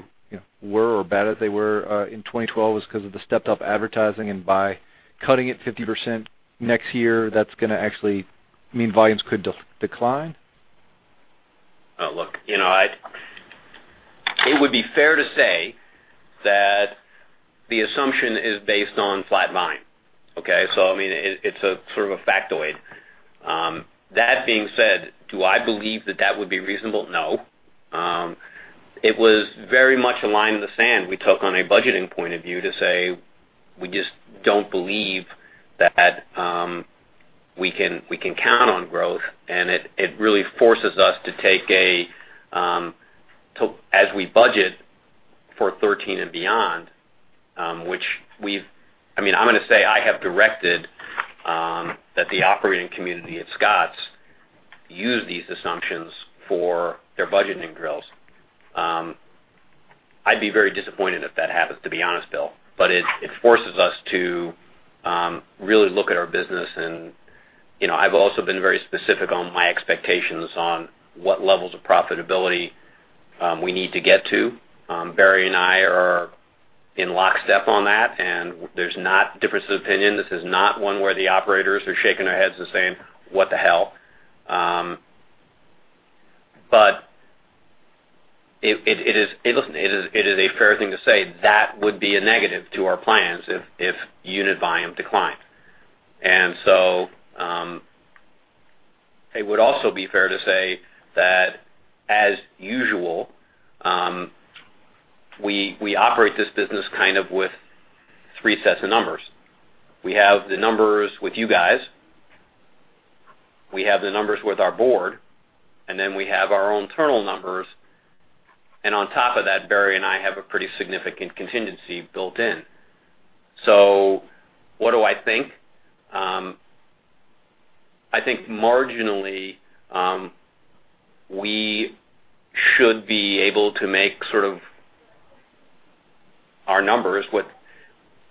were or bad as they were in 2012 was because of the stepped up advertising, and by cutting it 50% next year, that's going to actually mean volumes could decline? Look, it would be fair to say that the assumption is based on flat volume. Okay? I mean, it's a sort of a factoid. That being said, do I believe that that would be reasonable? No. It was very much a line in the sand we took on a budgeting point of view to say we just don't believe that we can count on growth, and it really forces us to take, as we budget for 2013 and beyond, I mean, I'm going to say I have directed that the operating community at Scotts use these assumptions for their budgeting drills. I'd be very disappointed if that happens, to be honest, Bill. It forces us to really look at our business, and I've also been very specific on my expectations on what levels of profitability we need to get to. Barry and I are in lockstep on that. There's not differences of opinion. This is not one where the operators are shaking their heads and saying, "What the hell?" It is a fair thing to say that would be a negative to our plans if unit volume declined. It would also be fair to say that, as usual, we operate this business kind of with three sets of numbers. We have the numbers with you guys, we have the numbers with our board. Then we have our own internal numbers. On top of that, Barry and I have a pretty significant contingency built in. What do I think? I think marginally, we should be able to make sort of our numbers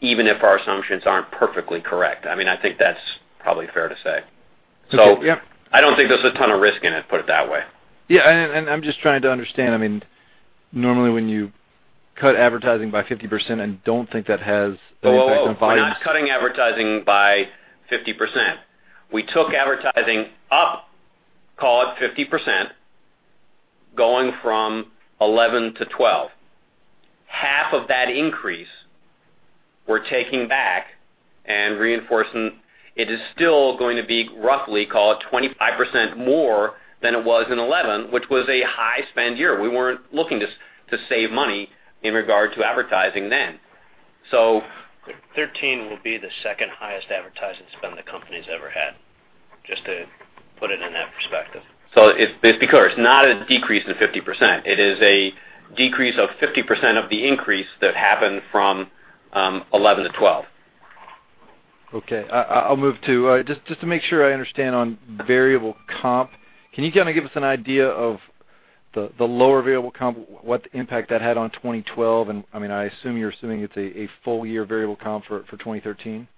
even if our assumptions aren't perfectly correct. I think that's probably fair to say. Okay. Yep. I don't think there's a ton of risk in it, put it that way. Yeah, I'm just trying to understand. Normally when you cut advertising by 50% and don't think that has any effect on volumes. Whoa. We're not cutting advertising by 50%. We took advertising up, call it 50%, going from 2011 to 2012. Half of that increase we're taking back and reinforcing. It is still going to be roughly, call it 25% more than it was in 2011, which was a high spend year. We weren't looking to save money in regard to advertising then. 2013 will be the second highest advertising spend the company's ever had, just to put it in that perspective. It's not a decrease of 50%. It is a decrease of 50% of the increase that happened from 2011 to 2012. Just to make sure I understand on variable comp, can you kind of give us an idea of the lower variable comp, what impact that had on 2012? I assume you're assuming it's a full year variable comp for 2013?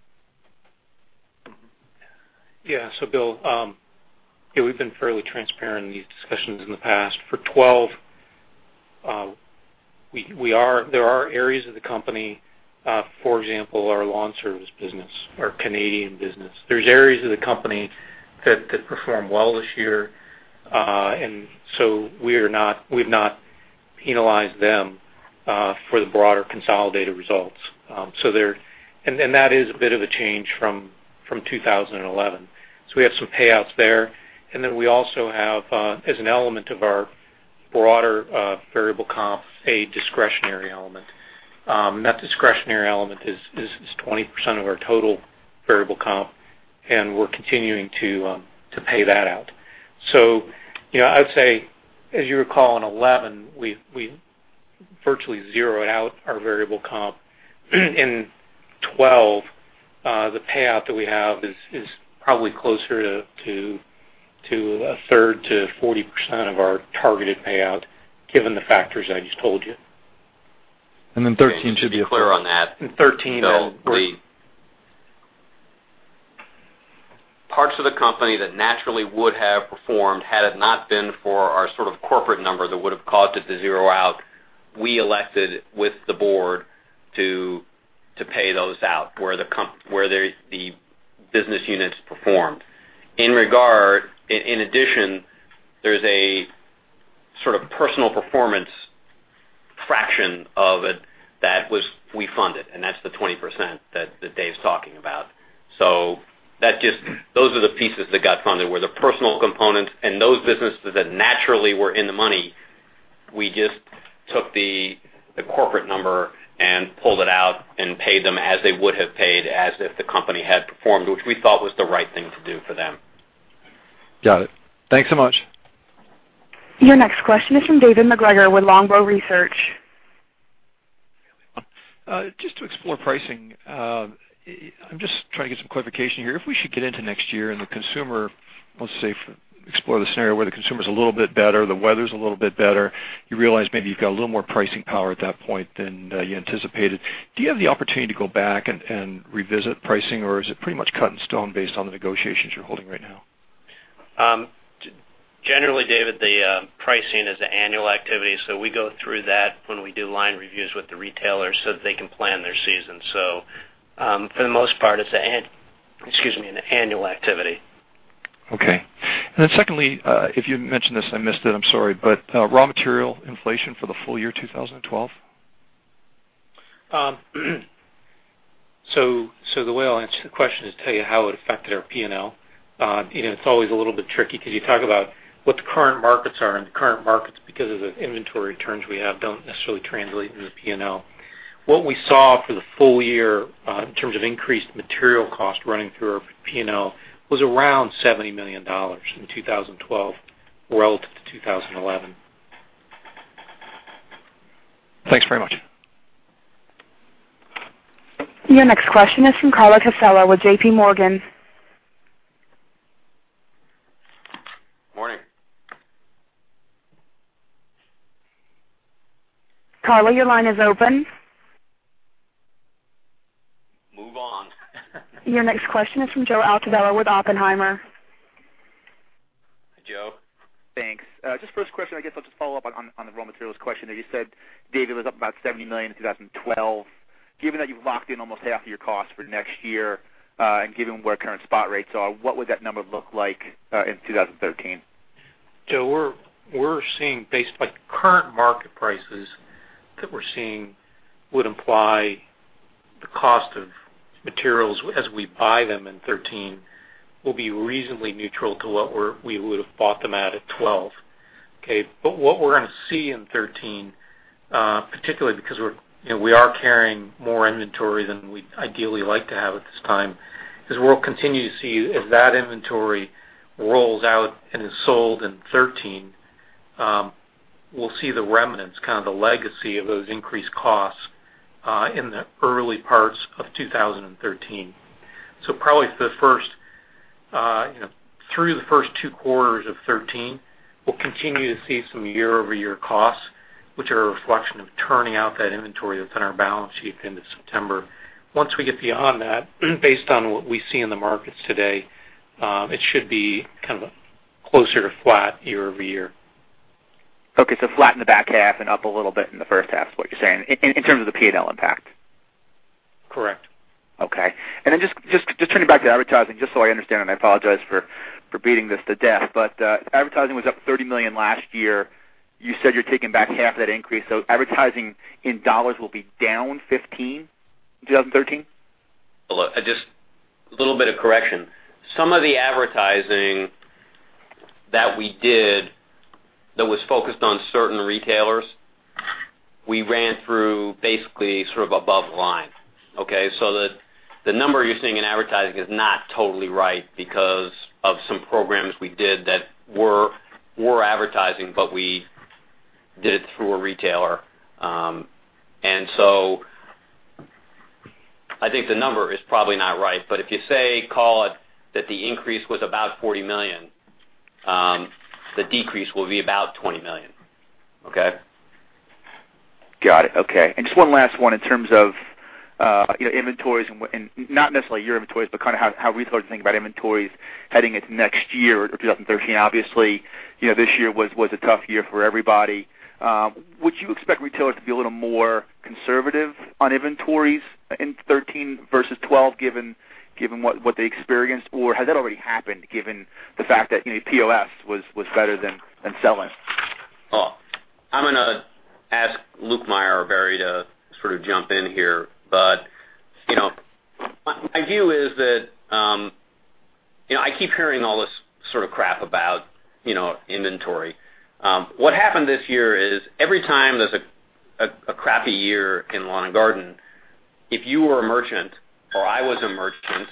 Bill, we've been fairly transparent in these discussions in the past. For 2012, there are areas of the company, for example, our Scotts LawnService business, our Canadian business. There's areas of the company that performed well this year. We've not penalized them for the broader consolidated results. That is a bit of a change from 2011. We have some payouts there, then we also have, as an element of our broader variable comp, a discretionary element. That discretionary element is 20% of our total variable comp, and we're continuing to pay that out. I would say, as you recall, in 2011, we virtually zeroed out our variable comp. In 2012, the payout that we have is probably closer to a third to 40% of our targeted payout, given the factors I just told you. 2013 should be- Just to be clear on that. In 2013. The parts of the company that naturally would have performed had it not been for our sort of corporate number that would've caused it to zero out, we elected with the board to pay those out where the business units performed. In addition, there's a sort of personal performance fraction of it that we funded, and that's the 20% that Dave's talking about. Those are the pieces that got funded, were the personal component and those businesses that naturally were in the money. We just took the corporate number and pulled it out and paid them as they would have paid as if the company had performed, which we thought was the right thing to do for them. Got it. Thanks so much. Your next question is from David Macgregor with Longbow Research. Just to explore pricing, I'm just trying to get some clarification here. If we should get into next year and the consumer, let's say, explore the scenario where the consumer's a little bit better, the weather's a little bit better, you realize maybe you've got a little more pricing power at that point than you anticipated. Do you have the opportunity to go back and revisit pricing, or is it pretty much cut in stone based on the negotiations you're holding right now? Generally, David, the pricing is an annual activity, so we go through that when we do line reviews with the retailers so that they can plan their season. For the most part, it's an annual activity. Okay. Secondly, if you mentioned this, I missed it, I'm sorry, but raw material inflation for the full year 2012? The way I'll answer the question is tell you how it affected our P&L. It's always a little bit tricky because you talk about what the current markets are, and the current markets, because of the inventory turns we have, don't necessarily translate into the P&L. What we saw for the full year in terms of increased material cost running through our P&L was around $70 million in 2012 relative to 2011. Thanks very much. Your next question is from Carla Casella with JP Morgan. Morning. Carla, your line is open. Move on. Your next question is from Joe Altobello with Oppenheimer. Joe. Thanks. Just first question, I guess I'll just follow up on the raw materials question that you said David was up about $70 million in 2012. Given that you've locked in almost half of your cost for next year, and given where current spot rates are, what would that number look like, in 2013? Joe, the current market prices that we're seeing would imply the cost of materials as we buy them in 2013, will be reasonably neutral to what we would've bought them at 2012. Okay. What we're going to see in 2013, particularly because we are carrying more inventory than we ideally like to have at this time, is we'll continue to see as that inventory rolls out and is sold in 2013, we'll see the remnants, kind of the legacy of those increased costs, in the early parts of 2013. Probably Through the first two quarters of 2013, we'll continue to see some year-over-year costs, which are a reflection of turning out that inventory that's on our balance sheet at the end of September. Once we get beyond that, based on what we see in the markets today, it should be kind of closer to flat year-over-year. Okay. Flat in the back half and up a little bit in the first half is what you're saying, in terms of the P&L impact? Correct. Okay. Just turning back to advertising, just so I understand, I apologize for beating this to death, advertising was up $30 million last year. You said you're taking back half of that increase, advertising in dollars will be down $15 million in 2013? Just a little bit of correction. Some of the advertising that we did that was focused on certain retailers, we ran through basically sort of above line. Okay? The number you're seeing in advertising is not totally right because of some programs we did that were advertising, we did it through a retailer. I think the number is probably not right, if you, say, call it that the increase was about $40 million, the decrease will be about $20 million. Okay? Got it. Okay. Just one last one in terms of inventories and not necessarily your inventories, but kind of how retailers think about inventories heading into next year or 2013. Obviously, this year was a tough year for everybody. Would you expect retailers to be a little more conservative on inventories in 2013 versus 2012, given what they experienced? Or has that already happened, given the fact that POS was better than selling? I'm going to ask Lukemire or Barry to sort of jump in here, but my view is that I keep hearing all this sort of crap about inventory. What happened this year is every time there's a crappy year in lawn and garden, if you were a merchant or I was a merchant.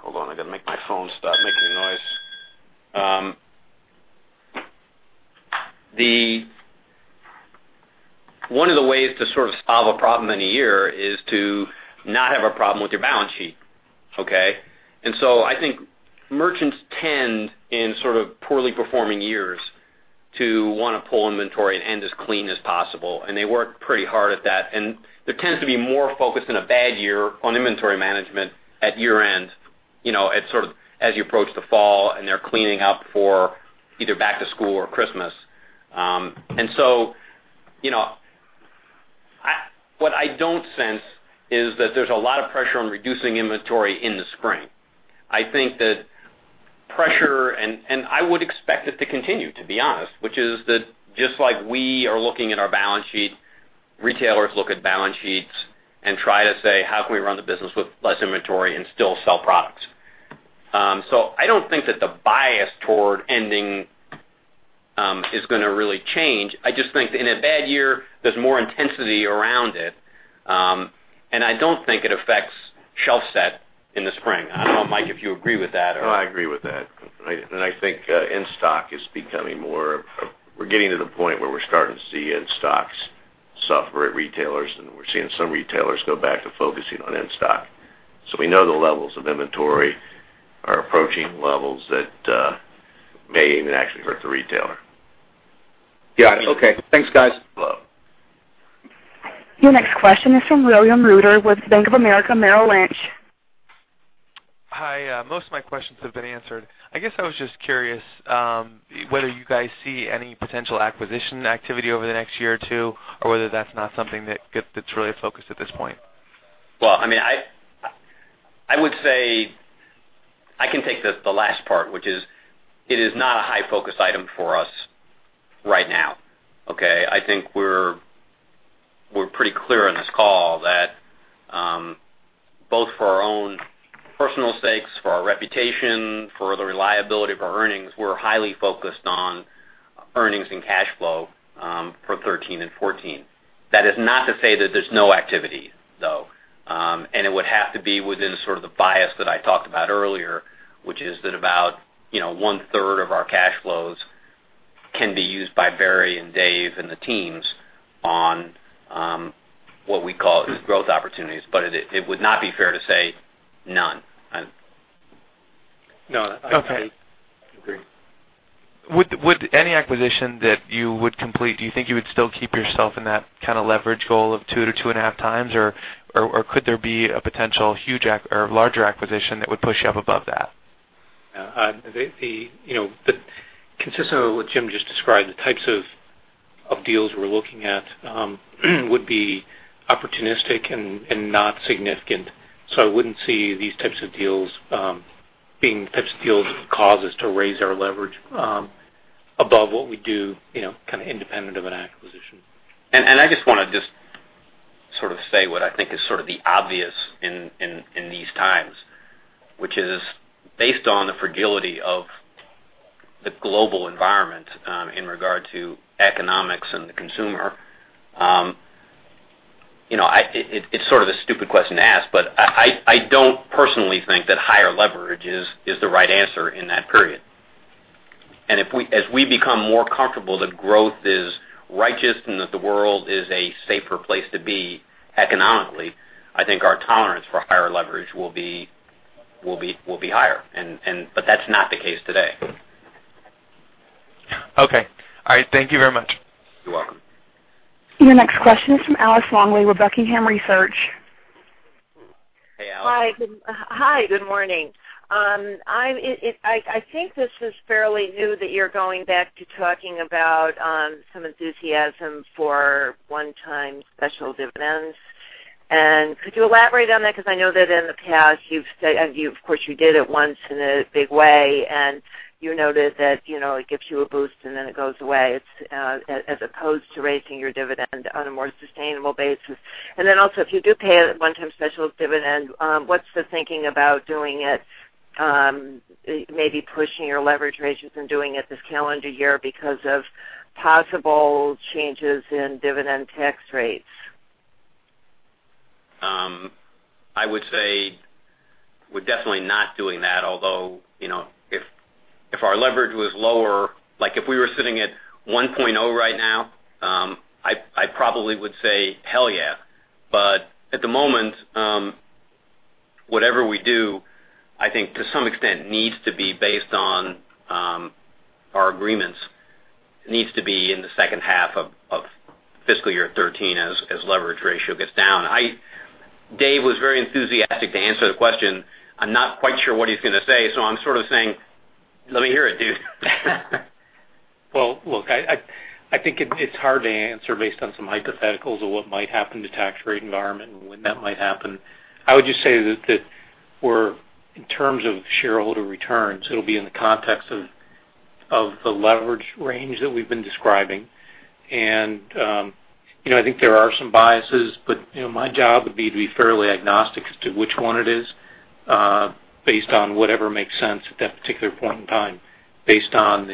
Hold on, I got to make my phone stop making a noise. One of the ways to sort of solve a problem in a year is to not have a problem with your balance sheet. Okay? I think merchants tend, in sort of poorly performing years, to want to pull inventory and end as clean as possible, and they work pretty hard at that. There tends to be more focus in a bad year on inventory management at year-end, as you approach the fall and they're cleaning up for either back to school or Christmas. What I don't sense is that there's a lot of pressure on reducing inventory in the spring. I think that pressure and I would expect it to continue, to be honest, which is that just like we are looking at our balance sheet, retailers look at balance sheets and try to say, "How can we run the business with less inventory and still sell products?" So I don't think that the bias toward ending is going to really change. I just think that in a bad year, there's more intensity around it, and I don't think it affects shelf set in the spring. I don't know, Mike, if you agree with that or. No, I agree with that. We're getting to the point where we're starting to see in-stocks suffer at retailers, and we're seeing some retailers go back to focusing on in-stock. We know the levels of inventory are approaching levels that may even actually hurt the retailer. Got it. Okay. Thanks, guys. You're welcome. Your next question is from William Reuter with Bank of America Merrill Lynch. Hi. Most of my questions have been answered. I guess I was just curious whether you guys see any potential acquisition activity over the next year or two, or whether that's not something that's really a focus at this point. Well, I would say I can take the last part, which is it is not a high focus item for us right now. Okay. I think we're pretty clear on this call that both for our own personal stakes, for our reputation, for the reliability of our earnings, we're highly focused on earnings and cash flow for 2013 and 2014. That is not to say that there's no activity, though. It would have to be within sort of the bias that I talked about earlier, which is that about one-third of our cash flows can be used by Barry and Dave and the teams on what we call growth opportunities. It would not be fair to say none. No, I agree. Okay. Would any acquisition that you would complete, do you think you would still keep yourself in that kind of leverage goal of 2 to 2.5 times, or could there be a potential huge or larger acquisition that would push you up above that? Yeah. Consistent with what Jim just described, the types of deals we're looking at would be opportunistic and not significant. I wouldn't see these types of deals being the types of deals that would cause us to raise our leverage above what we do kind of independent of an acquisition. I just want to sort of say what I think is sort of the obvious in these times, which is based on the fragility of the global environment in regard to economics and the consumer. It's sort of a stupid question to ask, I don't personally think that higher leverage is the right answer in that period. As we become more comfortable that growth is righteous and that the world is a safer place to be economically, I think our tolerance for higher leverage will be higher. That's not the case today. Okay. All right. Thank you very much. You're welcome. Your next question is from Alice Longley with Buckingham Research. Hey, Alice. Hi. Good morning. I think this is fairly new that you're going back to talking about some enthusiasm for one-time special dividends. Could you elaborate on that? Because I know that in the past, of course, you did it once in a big way, and you noted that it gives you a boost, and then it goes away, as opposed to raising your dividend on a more sustainable basis. Also, if you do pay a one-time special dividend, what's the thinking about doing it, maybe pushing your leverage ratios and doing it this calendar year because of possible changes in dividend tax rates? I would say we're definitely not doing that. Although, if our leverage was lower, like if we were sitting at 1.0 right now, I probably would say, "Hell yeah." At the moment, whatever we do, I think to some extent, needs to be based on our agreements. Needs to be in the second half of fiscal year 2013 as leverage ratio gets down. Dave was very enthusiastic to answer the question. I'm not quite sure what he's going to say, so I'm sort of saying, "Let me hear it, dude. Well, look, I think it's hard to answer based on some hypotheticals of what might happen to tax rate environment and when that might happen. I would just say that in terms of shareholder returns, it'll be in the context of the leverage range that we've been describing. I think there are some biases, but my job would be to be fairly agnostic as to which one it is, based on whatever makes sense at that particular point in time, based on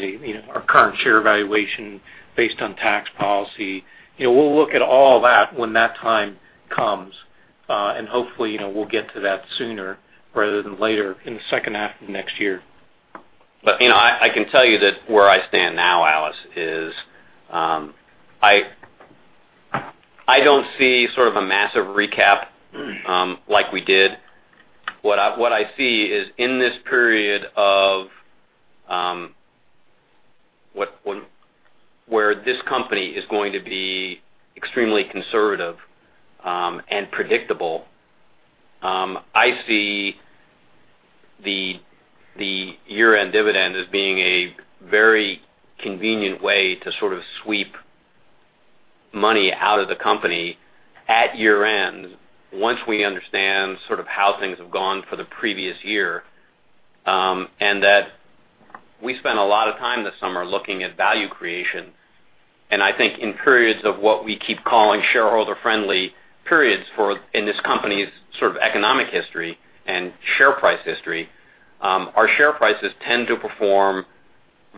our current share valuation, based on tax policy. We'll look at all that when that time comes, and hopefully, we'll get to that sooner rather than later in the second half of next year. I can tell you that where I stand now, Alice, is I don't see sort of a massive recap like we did. What I see is in this period of where this company is going to be extremely conservative and predictable. I see the year-end dividend as being a very convenient way to sort of sweep money out of the company at year end, once we understand sort of how things have gone for the previous year. We spent a lot of time this summer looking at value creation. I think in periods of what we keep calling shareholder-friendly periods in this company's sort of economic history and share price history, our share prices tend to perform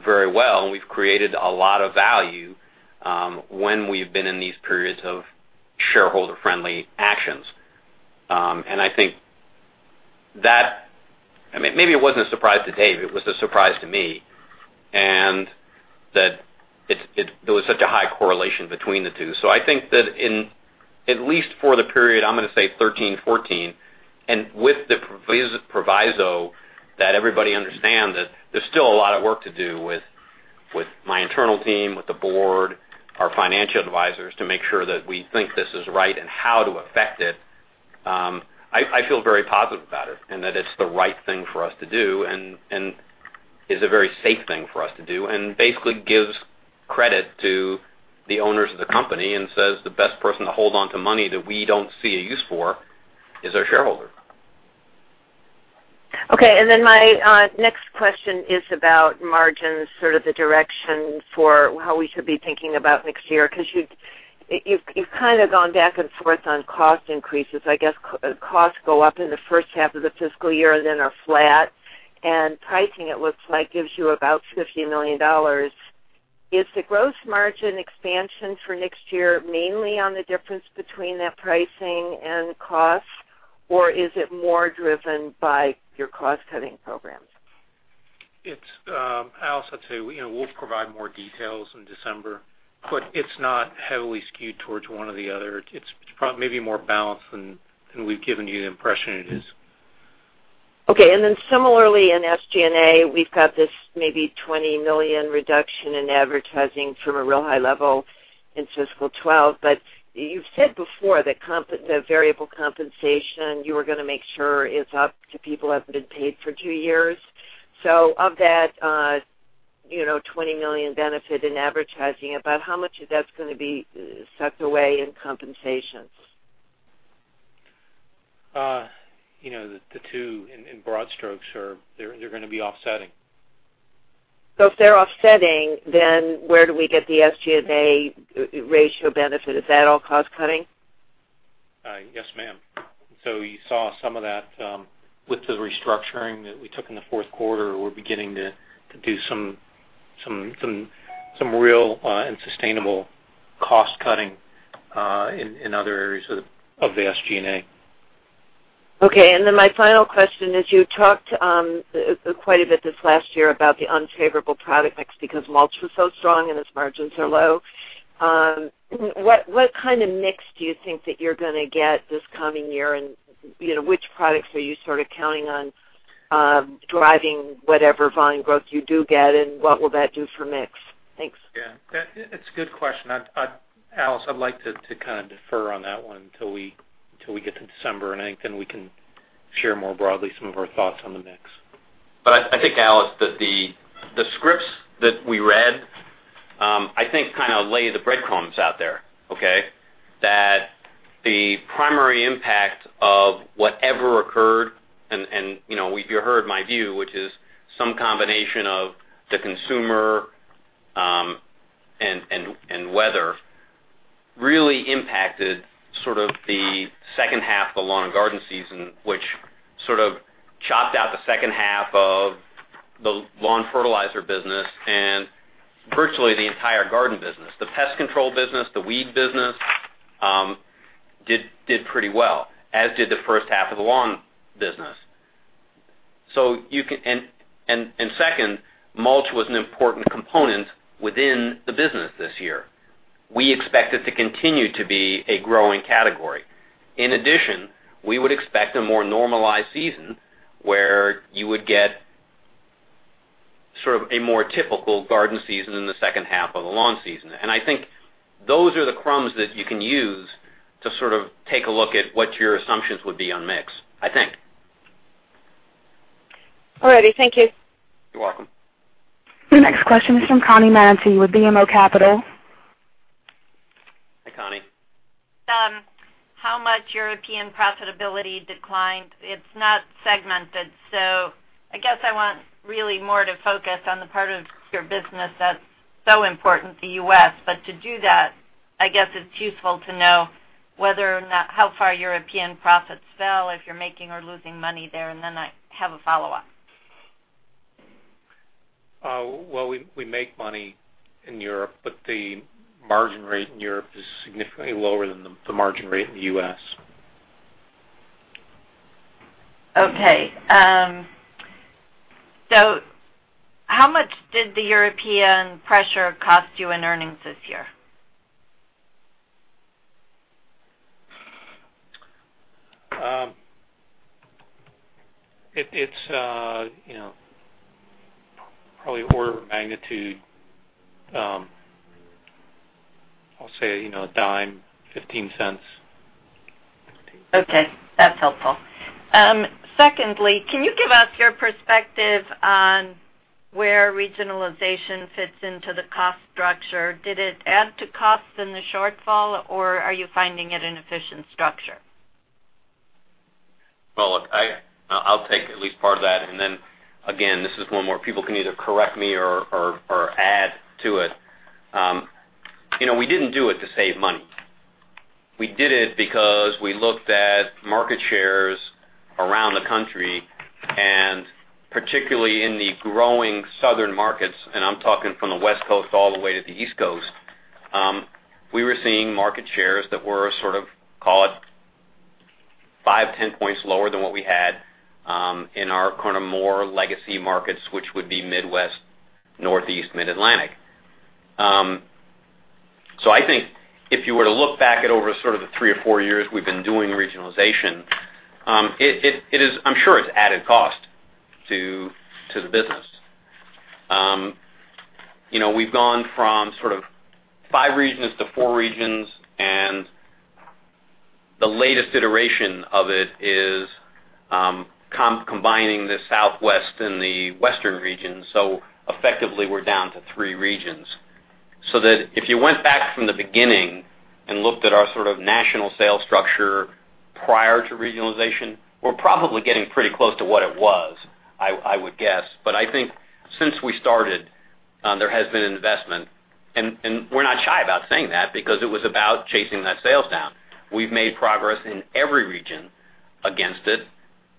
very well, and we've created a lot of value when we've been in these periods of shareholder-friendly actions. I think maybe it wasn't a surprise to Dave. It was a surprise to me. There was such a high correlation between the two. I think that in at least for the period, I'm going to say 2013, 2014, with the proviso that everybody understand that there's still a lot of work to do with my internal team, with the board, our financial advisors, to make sure that we think this is right and how to affect it. I feel very positive about it, that it's the right thing for us to do, and is a very safe thing for us to do, and basically gives credit to the owners of the company and says the best person to hold onto money that we don't see a use for is our shareholder. My next question is about margins, sort of the direction for how we should be thinking about next year, because you've kind of gone back and forth on cost increases. I guess costs go up in the first half of the fiscal year and then are flat, and pricing, it looks like, gives you about $50 million. Is the gross margin expansion for next year mainly on the difference between that pricing and cost, or is it more driven by your cost-cutting programs? Alice, I'd say we'll provide more details in December, it's not heavily skewed towards one or the other. It's maybe more balanced than we've given you the impression it is. Okay. Similarly, in SG&A, we've got this maybe $20 million reduction in advertising from a real high level in FY 2012. You've said before that the variable compensation, you were going to make sure is up to people who haven't been paid for two years. Of that $20 million benefit in advertising, about how much of that's going to be sucked away in compensations? The two, in broad strokes, they're going to be offsetting. If they're offsetting, where do we get the SG&A ratio benefit? Is that all cost cutting? Yes, ma'am. You saw some of that with the restructuring that we took in the fourth quarter. We're beginning to do some real and sustainable cost cutting in other areas of the SG&A. Then my final question is, you talked quite a bit this last year about the unfavorable product mix because mulch was so strong and its margins are low. What kind of mix do you think that you're going to get this coming year, and which products are you counting on driving whatever volume growth you do get, and what will that do for mix? Thanks. Yeah. It's a good question. Alice, I'd like to kind of defer on that one until we get to December. I think then we can share more broadly some of our thoughts on the mix. I think, Alice, that the scripts that we read kind of lay the breadcrumbs out there, okay? That the primary impact of whatever occurred, and you heard my view, which is some combination of the consumer and weather really impacted sort of the second half of the lawn and garden season, which sort of chopped out the second half of the lawn fertilizer business and virtually the entire garden business. The pest control business, the weed business did pretty well, as did the first half of the lawn business. Second, mulch was an important component within the business this year. We expect it to continue to be a growing category. In addition, we would expect a more normalized season where you would get sort of a more typical garden season in the second half of the lawn season. I think those are the crumbs that you can use to sort of take a look at what your assumptions would be on mix. All righty. Thank you. You're welcome. The next question is from Connie Maneaty with BMO Capital. Hi, Connie. How much European profitability declined? It's not segmented, so I guess I want really more to focus on the part of your business that's so important to U.S. To do that, I guess it's useful to know whether or not how far European profits fell, if you're making or losing money there, and then I have a follow-up. Well, we make money in Europe, but the margin rate in Europe is significantly lower than the margin rate in the U.S. Okay. How much did the European pressure cost you in earnings this year? It's probably order of magnitude, I'll say $0.10, $0.15. Okay, that's helpful. Secondly, can you give us your perspective on where regionalization fits into the cost structure? Did it add to costs in the shortfall, or are you finding it an efficient structure? Well, look, I'll take at least part of that, and then again, this is one where people can either correct me or add to it. We didn't do it to save money. We did it because we looked at market shares around the country, and particularly in the growing southern markets, and I'm talking from the West Coast all the way to the East Coast. We were seeing market shares that were sort of, call it five, 10 points lower than what we had in our kind of more legacy markets, which would be Midwest, Northeast, Mid-Atlantic. I think if you were to look back at over sort of the three or four years we've been doing regionalization, I'm sure it's added cost to the business. We've gone from sort of five regions to four regions, and the latest iteration of it is combining the Southwest and the Western regions, so effectively we're down to three regions. If you went back from the beginning and looked at our sort of national sales structure prior to regionalization, we're probably getting pretty close to what it was, I would guess. I think since we started, there has been an investment, and we're not shy about saying that because it was about chasing that sales down. We've made progress in every region against it,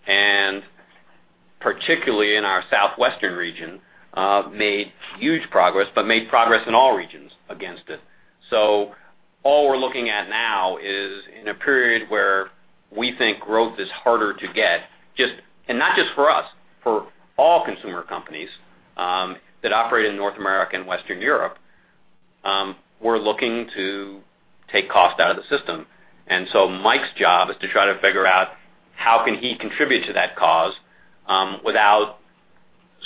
and particularly in our Southwestern region, made huge progress, but made progress in all regions against it. All we're looking at now is in a period where we think growth is harder to get, and not just for us, for all consumer companies that operate in North America and Western Europe, we're looking to take cost out of the system. Mike's job is to try to figure out how can he contribute to that cause without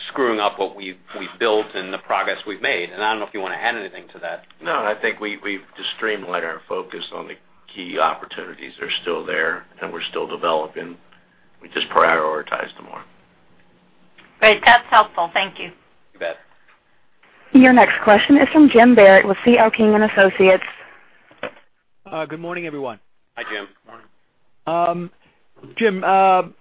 screwing up what we've built and the progress we've made. I don't know if you want to add anything to that. No, I think we've just streamlined our focus on the key opportunities that are still there and we're still developing. We just prioritize them more. Great. That's helpful. Thank you. You bet. Your next question is from Jim Barrett with C.L. King & Associates. Good morning, everyone. Hi, Jim. Morning. Jim, how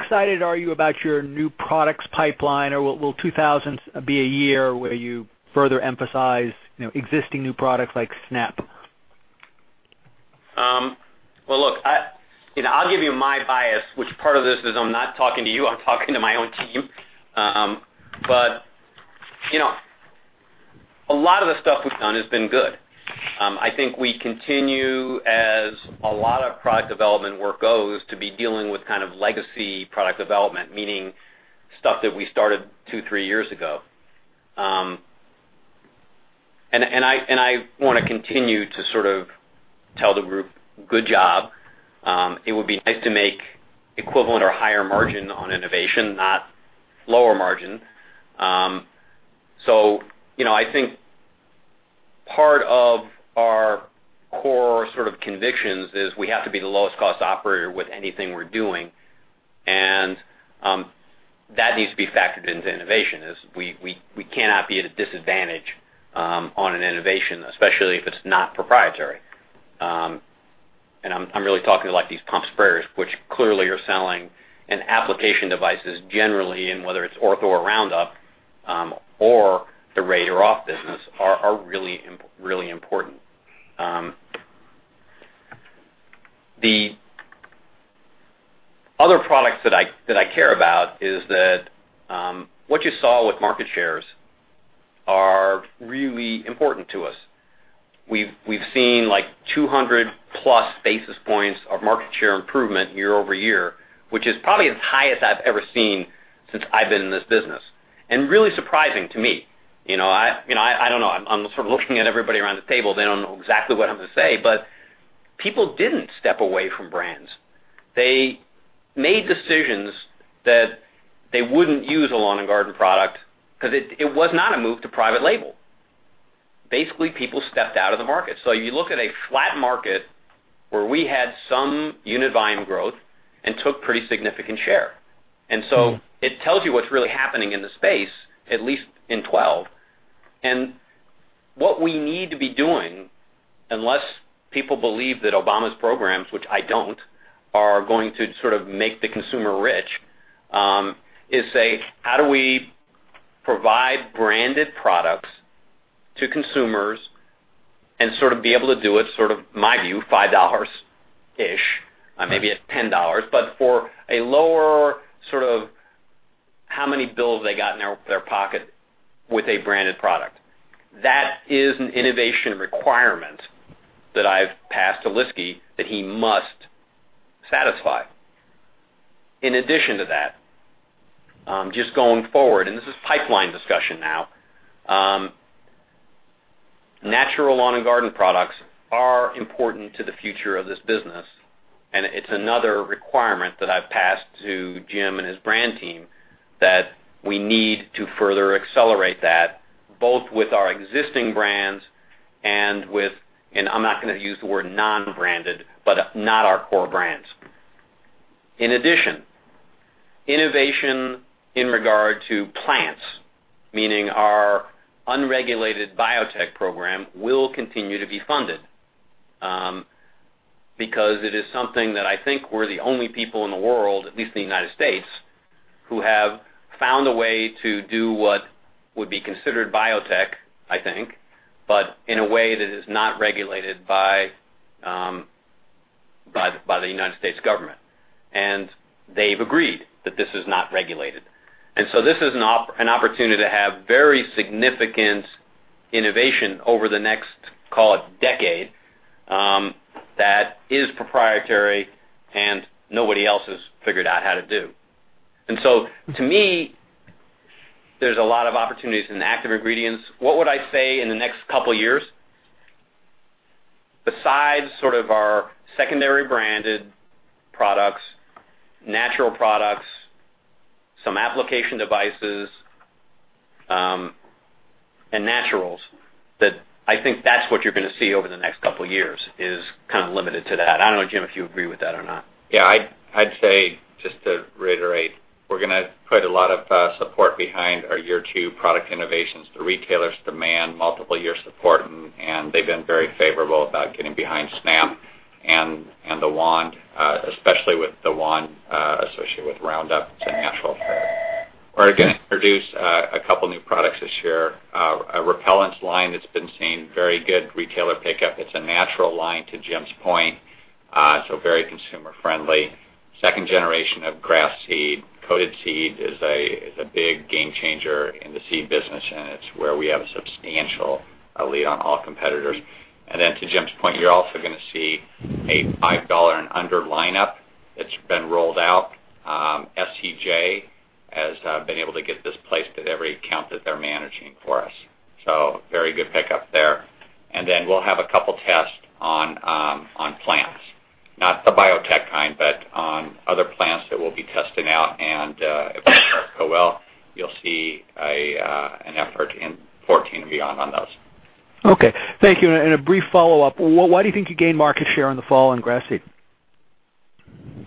excited are you about your new products pipeline, or will 2000 be a year where you further emphasize existing new products like Scotts Snap? Well, look, I'll give you my bias, which part of this is I'm not talking to you, I'm talking to my own team. A lot of the stuff we've done has been good. I think we continue, as a lot of product development work goes, to be dealing with legacy product development, meaning stuff that we started two, three years ago. I want to continue to sort of tell the group, "Good job." It would be nice to make equivalent or higher margin on innovation, not lower margin. I think part of our core sort of convictions is we have to be the lowest cost operator with anything we're doing, and that needs to be factored into innovation, is we cannot be at a disadvantage on an innovation, especially if it's not proprietary. I'm really talking like these pump sprayers, which clearly are selling, and application devices generally, whether it's Ortho or Roundup, or the Raid or Off! business are really important. The other products that I care about is that what you saw with market shares are really important to us. We've seen like 200-plus basis points of market share improvement year-over-year, which is probably as high as I've ever seen since I've been in this business. Really surprising to me. I don't know. I'm sort of looking at everybody around the table. They don't know exactly what I'm going to say, but people didn't step away from brands. They made decisions that they wouldn't use a lawn and garden product because it was not a move to private label. Basically, people stepped out of the market. You look at a flat market where we had some unit volume growth and took pretty significant share. It tells you what's really happening in the space, at least in 2012. What we need to be doing, unless people believe that Obama's programs, which I don't, are going to sort of make the consumer rich, is say, how do we provide branded products to consumers and sort of be able to do it, sort of my view, $5-ish, maybe it's $10, but for a lower sort of how many bills they got in their pocket with a branded product. That is an innovation requirement that I've passed to Lyski that he must satisfy. In addition to that, just going forward, this is pipeline discussion now. Natural lawn and garden products are important to the future of this business. It's another requirement that I've passed to Jim and his brand team that we need to further accelerate that, both with our existing brands and with, I'm not going to use the word non-branded, but not our core brands. In addition, innovation in regard to plants, meaning our unregulated biotech program, will continue to be funded, because it is something that I think we're the only people in the world, at least the U.S., who have found a way to do what would be considered biotech, I think, but in a way that is not regulated by the U.S. government. They've agreed that this is not regulated. This is an opportunity to have very significant innovation over the next, call it decade, that is proprietary and nobody else has figured out how to do. To me, there's a lot of opportunities in active ingredients. What would I say in the next couple of years? Besides sort of our secondary branded products, natural products, some application devices, and naturals, I think that's what you're going to see over the next couple of years is kind of limited to that. I don't know, Jim, if you agree with that or not. I'd say, just to reiterate, we're going to put a lot of support behind our year two product innovations. The retailers demand multiple year support, and they've been very favorable about getting behind Snap and the wand, especially with the wand associated with Roundup. It's a natural pair. We're going to introduce a couple new products this year. A repellents line that's been seeing very good retailer pickup. It's a natural line to Jim's point, very consumer friendly. Second generation of grass seed, coated seed is a big game changer in the seed business, and it's where we have a substantial lead on all competitors. To Jim's point, you're also going to see a $5 and under lineup that's been rolled out. SCJ has been able to get this placed at every account that they're managing for us. Very good pickup there. We'll have a couple tests on plants, not the biotech kind, but on other plants that we'll be testing out. If those go well, you'll see an effort in 2014 and beyond on those. Okay. Thank you. A brief follow-up. Why do you think you gained market share in the fall on grass seed?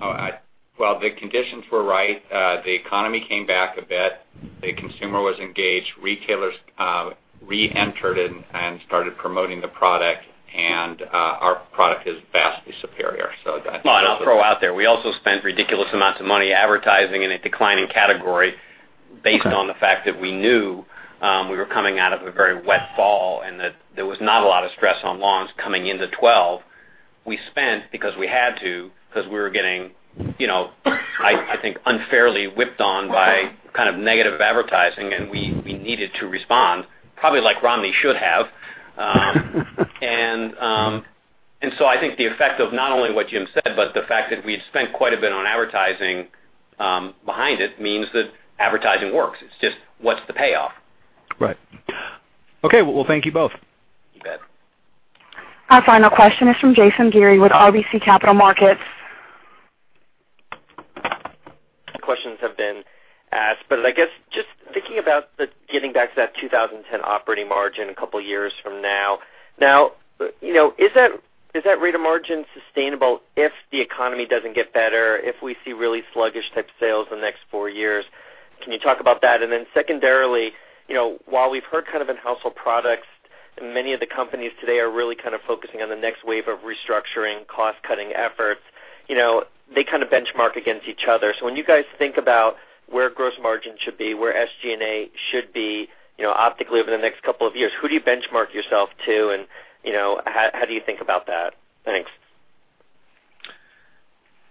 Well, the conditions were right. The economy came back a bit. The consumer was engaged. Retailers reentered and started promoting the product, and our product is vastly superior. I'll throw out there, we also spent ridiculous amounts of money advertising in a declining category based on the fact that we knew we were coming out of a very wet fall and that there was not a lot of stress on lawns coming into 2012. We spent because we had to, because we were getting, I think, unfairly whipped on by kind of negative advertising, and we needed to respond, probably like Romney should have. I think the effect of not only what Jim said, but the fact that we had spent quite a bit on advertising behind it means that advertising works. It's just what's the payoff? Well, thank you both. You bet. Our final question is from Jason Gere with RBC Capital Markets. Questions have been asked, I guess just thinking about getting back to that 2010 operating margin a couple years from now. Is that rate of margin sustainable if the economy doesn't get better, if we see really sluggish type sales in the next 4 years? Can you talk about that? Secondarily, while we've heard kind of in household products and many of the companies today are really kind of focusing on the next wave of restructuring, cost-cutting efforts, they kind of benchmark against each other. When you guys think about where gross margin should be, where SG&A should be optically over the next couple of years, who do you benchmark yourself to, and how do you think about that? Thanks.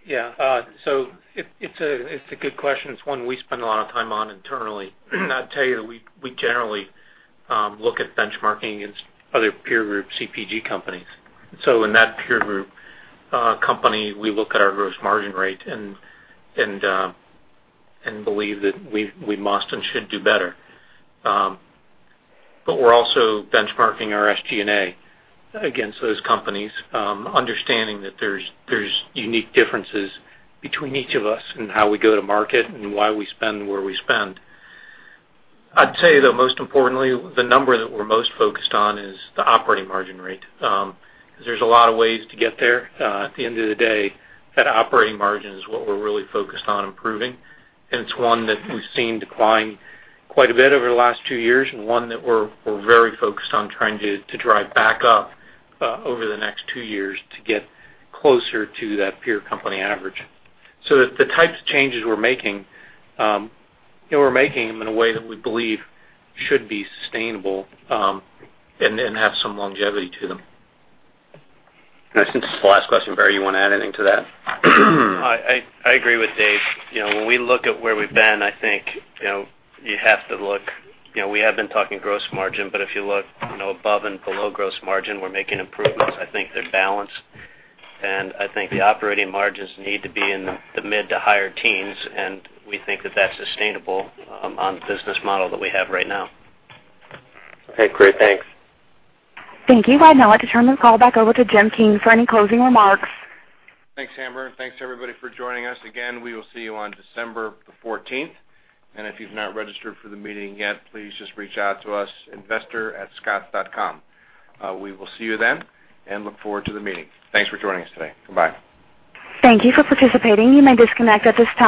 Yeah. It's a good question. It's one we spend a lot of time on internally. I'll tell you, we generally look at benchmarking against other peer group CPG companies. In that peer group company, we look at our gross margin rate and believe that we must and should do better. We're also benchmarking our SG&A against those companies, understanding that there's unique differences between each of us and how we go to market and why we spend where we spend. I'd say, though, most importantly, the number that we're most focused on is the operating margin rate. Because there's a lot of ways to get there. At the end of the day, that operating margin is what we're really focused on improving, and it's one that we've seen decline quite a bit over the last 2 years, and one that we're very focused on trying to drive back up over the next 2 years to get closer to that peer company average. The types of changes we're making, we're making them in a way that we believe should be sustainable and have some longevity to them. Since this is the last question, Barry, you want to add anything to that? I agree with Dave. When we look at where we've been, I think, you have to look, we have been talking gross margin, but if you look above and below gross margin, we're making improvements. I think they're balanced, and I think the operating margins need to be in the mid to higher teens, and we think that that's sustainable on the business model that we have right now. Okay, great. Thanks. Thank you. I'd now like to turn the call back over to Jim King for any closing remarks. Thanks, Amber, and thanks everybody for joining us. Again, we will see you on December the 14th. If you've not registered for the meeting yet, please just reach out to us, investor@scotts.com. We will see you then and look forward to the meeting. Thanks for joining us today. Goodbye. Thank you for participating. You may disconnect at this time.